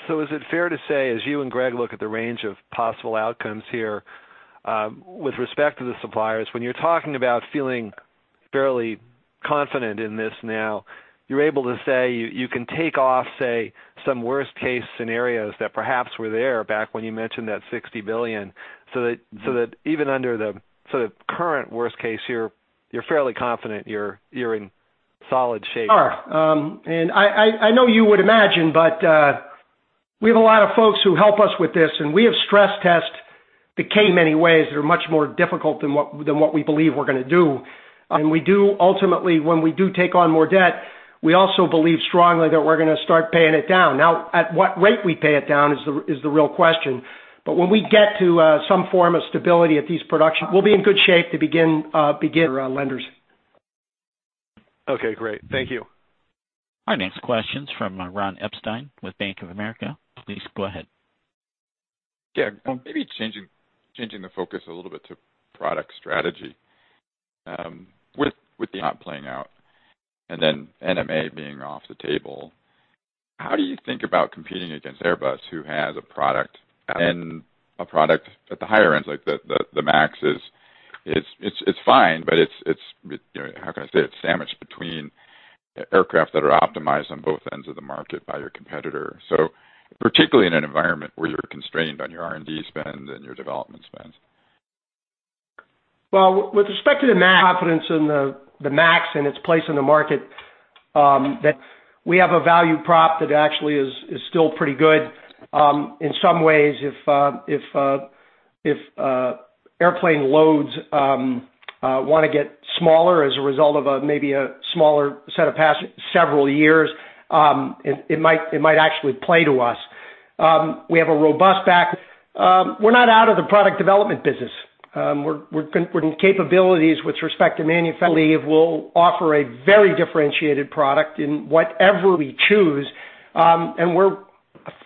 Is it fair to say, as you and Greg look at the range of possible outcomes here, with respect to the suppliers, when you're talking about feeling fairly confident in this now, you're able to say you can take off, say, some worst case scenarios that perhaps were there back when you mentioned that $60 billion, so that even under the sort of current worst case, you're fairly confident you're in solid shape? We are. I know you would imagine, but we have a lot of folks who help us with this, and we have stress test the cash many ways that are much more difficult than what we believe we are going to do. We do ultimately, when we do take on more debt, we also believe strongly that we are going to start paying it down. Now, at what rate we pay it down is the real question. When we get to some form of stability at these production, we will be in good shape to begin lenders. Okay, great. Thank you. Our next question is from Ron Epstein with Bank of America. Please go ahead. Yeah. Maybe changing the focus a little bit to product strategy. With the NMA playing out and then NMA being off the table, how do you think about competing against Airbus, who has a product and a product at the higher end, like the MAX, it's fine, but how can I say, it's sandwiched between aircraft that are optimized on both ends of the market by your competitor. Particularly in an environment where you're constrained on your R&D spend and your development spend. Well, with respect to the MAX, confidence in the MAX and its place in the market, that we have a value prop that actually is still pretty good. In some ways, if airplane loads want to get smaller as a result of maybe a smaller set of passengers several years, it might actually play to us. We have a robust backlog. We're not out of the product development business. We're in capabilities with respect to manufacturing. We believe we'll offer a very differentiated product in whatever we choose, and we're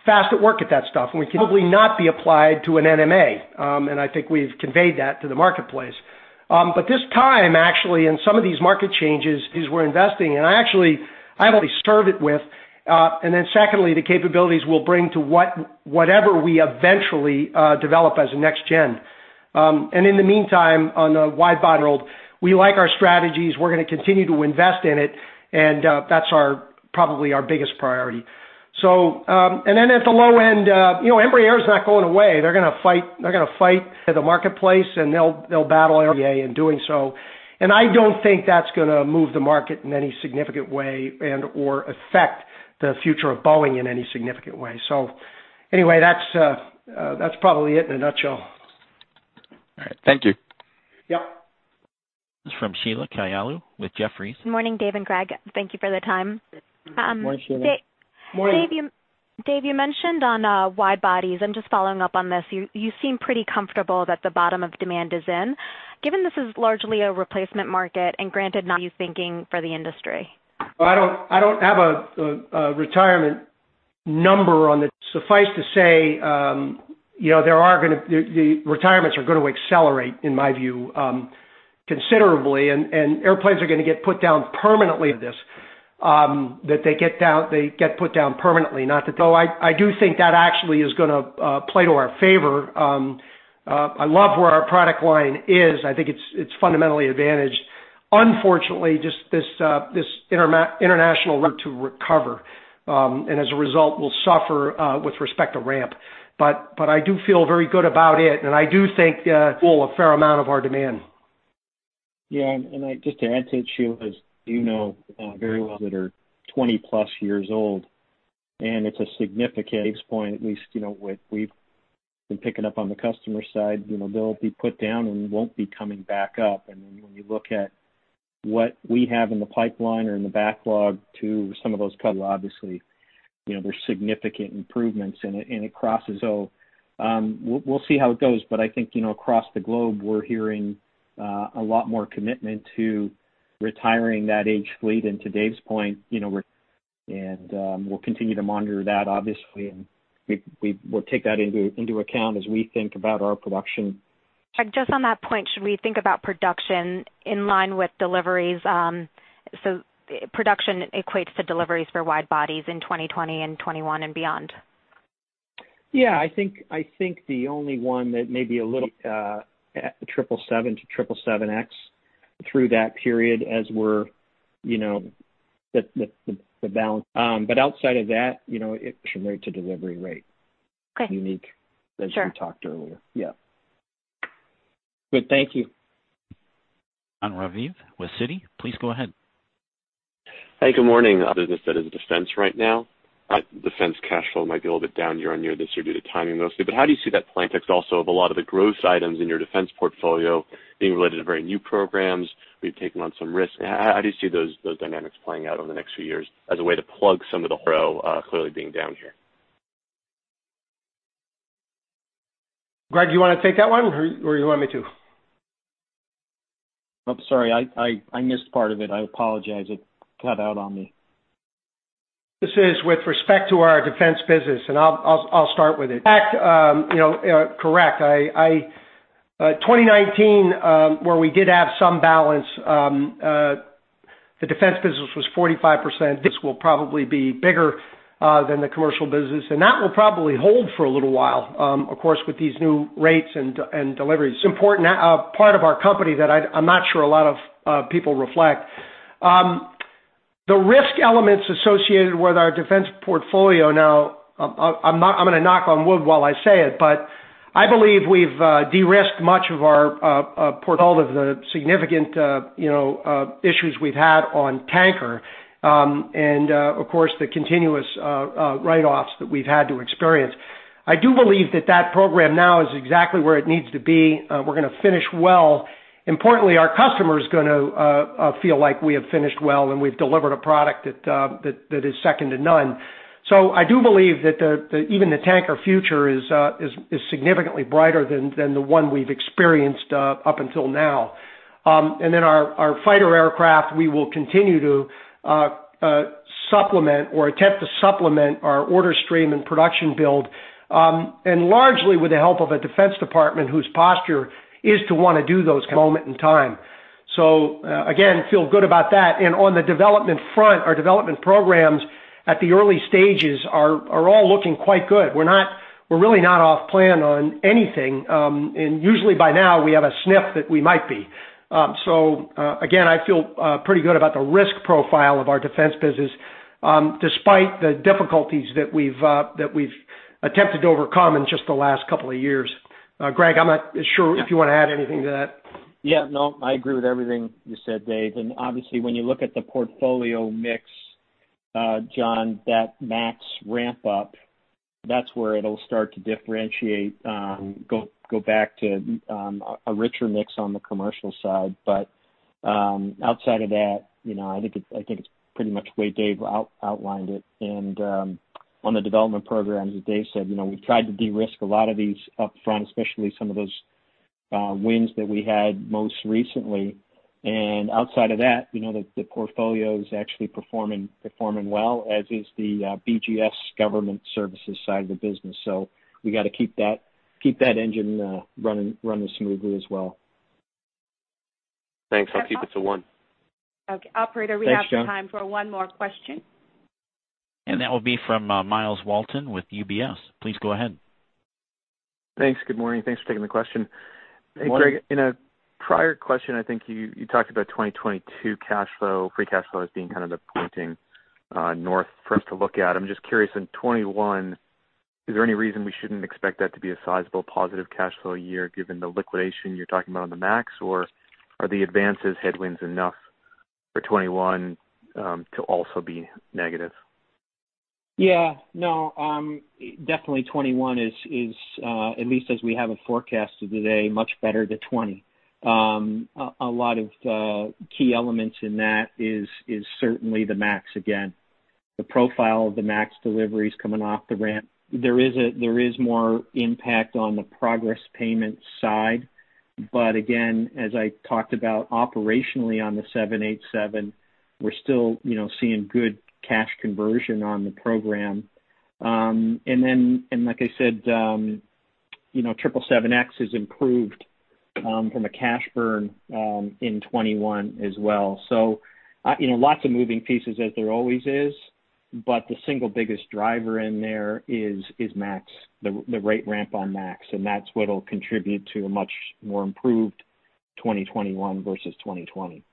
fast at work at that stuff. Probably not be applied to an NMA. I think we've conveyed that to the marketplace. This time, actually, in some of these market changes, and then those important technologies we're investing in, and actually I have a lot of faith both in the product that we currently started with. Secondly, the capabilities we'll bring to whatever we eventually develop as a next gen. In the meantime, on the wide body world, we like our strategies. We're going to continue to invest in it, and that's probably our biggest priority. At the low end, Embraer is not going away. They're going to fight the marketplace, and they'll battle in doing so. I don't think that's going to move the market in any significant way and, or affect the future of Boeing in any significant way. Anyway, that's probably it in a nutshell. All right. Thank you. Yep. This is from Sheila Kahyaoglu with Jefferies. Morning, Dave and Greg. Thank you for the time. Morning, Sheila. Dave, you mentioned on wide bodies, I'm just following up on this. You seem pretty comfortable that the bottom of demand is in. Given this is largely a replacement market, granted, now you're thinking for the industry. I don't have a retirement number on it. Suffice to say, the retirements are going to accelerate, in my view, considerably, and airplanes are going to get put down permanently. I do think that actually is going to play to our favor. I love where our product line is. I think it's fundamentally advantaged. Unfortunately, just this international route structure I just think is going to take longer to recover. As a result, we'll suffer with respect to ramp. I do feel very good about it and and I do think retirements are going to fuel a fair amount of our demand. Yeah. Just to add to it, Sheila, as you know very well, that are 20+ years old, and it's a significant. Dave's point, at least, what we've been picking up on the customer side, they'll be put down and won't be coming back up. When you look at what we have in the pipeline or in the backlog to some of those customers, obviously, there's significant improvements, and it crosses over. We'll see how it goes. I think, across the globe, we're hearing a lot more commitment to retiring that aged fleet. To Dave's point, we'll continue to monitor that, obviously, and we'll take that into account as we think about our production. Greg, just on that point, should we think about production in line with deliveries? Production equates to deliveries for wide-bodies in 2020 and 2021 and beyond. Yeah. I think the only one that may be a little, 777 to 777X, through that period as we're the balance. Outside of that. Production rate to delivery rate. Okay. Unique- Sure as we talked earlier. Yeah. Good. Thank you. Jon Raviv with Citi, please go ahead. Hey, good morning. Business that is defense right now, defense cash flow might be a little bit down year-over-year this year due to timing mostly. How do you see that playing, next, also of a lot of the growth items in your defense portfolio being related to very new programs? Have you taken on some risk? How do you see those dynamics playing out over the next few years as a way to plug some of the hole, clearly being down here? Greg, you want to take that one, or you want me to? I'm sorry, I missed part of it. I apologize. It cut out on me. This is with respect to our defense business, and I'll start with it. In fact, correct. 2019, where we did have some balance, the defense business was 45%. This will probably be bigger than the commercial business, and that will probably hold for a little while, of course, with these new rates and deliveries. It's important part of our company that I'm not sure a lot of people reflect. The risk elements associated with our defense portfolio now, I'm going to knock on wood while I say it, but I believe we've de-risked much of our portfolio. All of the significant issues we've had on tanker. Of course, the continuous write-offs that we've had to experience. I do believe that that program now is exactly where it needs to be. We're going to finish well. Importantly, our customer is going to feel like we have finished well and we've delivered a product that is second to none. I do believe that even the tanker future is significantly brighter than the one we've experienced up until now. Our fighter aircraft, we will continue to supplement or attempt to supplement our order stream and production build. Largely with the help of a Department of Defense whose posture is to want to do those. Moment in time. Again, feel good about that. On the development front, our development programs at the early stages are all looking quite good. We're really not off plan on anything. Usually by now we have a sniff that we might be again, I feel pretty good about the risk profile of our defense business, despite the difficulties that we've attempted to overcome in just the last couple of years. Greg, I'm not sure if you want to add anything to that. Yeah, no, I agree with everything you said, Dave. Obviously, when you look at the portfolio mix, Jon, that MAX ramp-up, that's where it'll start to differentiate, go back to a richer mix on the commercial side. Outside of that, I think it's pretty much the way Dave outlined it. On the development programs, as Dave said, we've tried to de-risk a lot of these upfront, especially some of those wins that we had most recently. Outside of that, we know that the portfolio is actually performing well, as is the BGS government services side of the business. We got to keep that engine running smoothly as well. Thanks. I'll keep it to one. Okay. Operator, we have the time- Thanks, Jon for one more question. That will be from Myles Walton with UBS. Please go ahead. Thanks. Good morning. Thanks for taking the question. Good morning. Hey, Greg, in a prior question, I think you talked about 2022 cash flow, free cash flow as being kind of the pointing north for us to look at. I'm just curious, in 2021, is there any reason we shouldn't expect that to be a sizable positive cash flow year given the liquidation you're talking about on the MAX? Are the advances headwinds enough for 2021 to also be negative? Yeah. No, definitely 2021 is, at least as we have it forecasted today, much better to 2020. A lot of key elements in that is certainly the MAX. Again, the profile of the MAX deliveries coming off the ramp. There is more impact on the progress payment side. Again, as I talked about operationally on the 787, we're still seeing good cash conversion on the program. Like I said, 777X is improved from a cash burn in 2021 as well. Lots of moving pieces as there always is. The single biggest driver in there is MAX, the rate ramp on MAX, and that's what'll contribute to a much more improved 2021 versus 2020.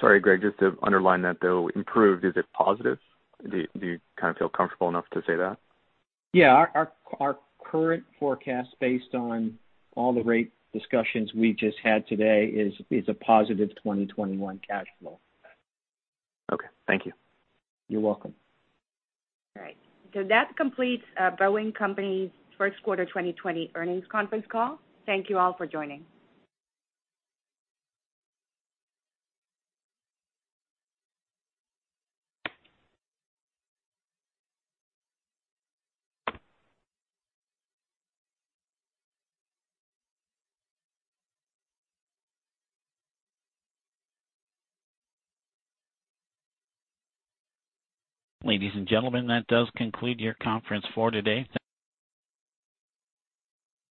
Sorry, Greg, just to underline that, though, improved, is it positive? Do you kind of feel comfortable enough to say that? Yeah. Our current forecast based on all the rate discussions we just had today is a positive 2021 cash flow. Okay. Thank you. You're welcome. All right. That completes Boeing Company's First Quarter 2020 Earnings Conference Call. Thank you all for joining. Ladies and gentlemen, that does conclude your conference for today.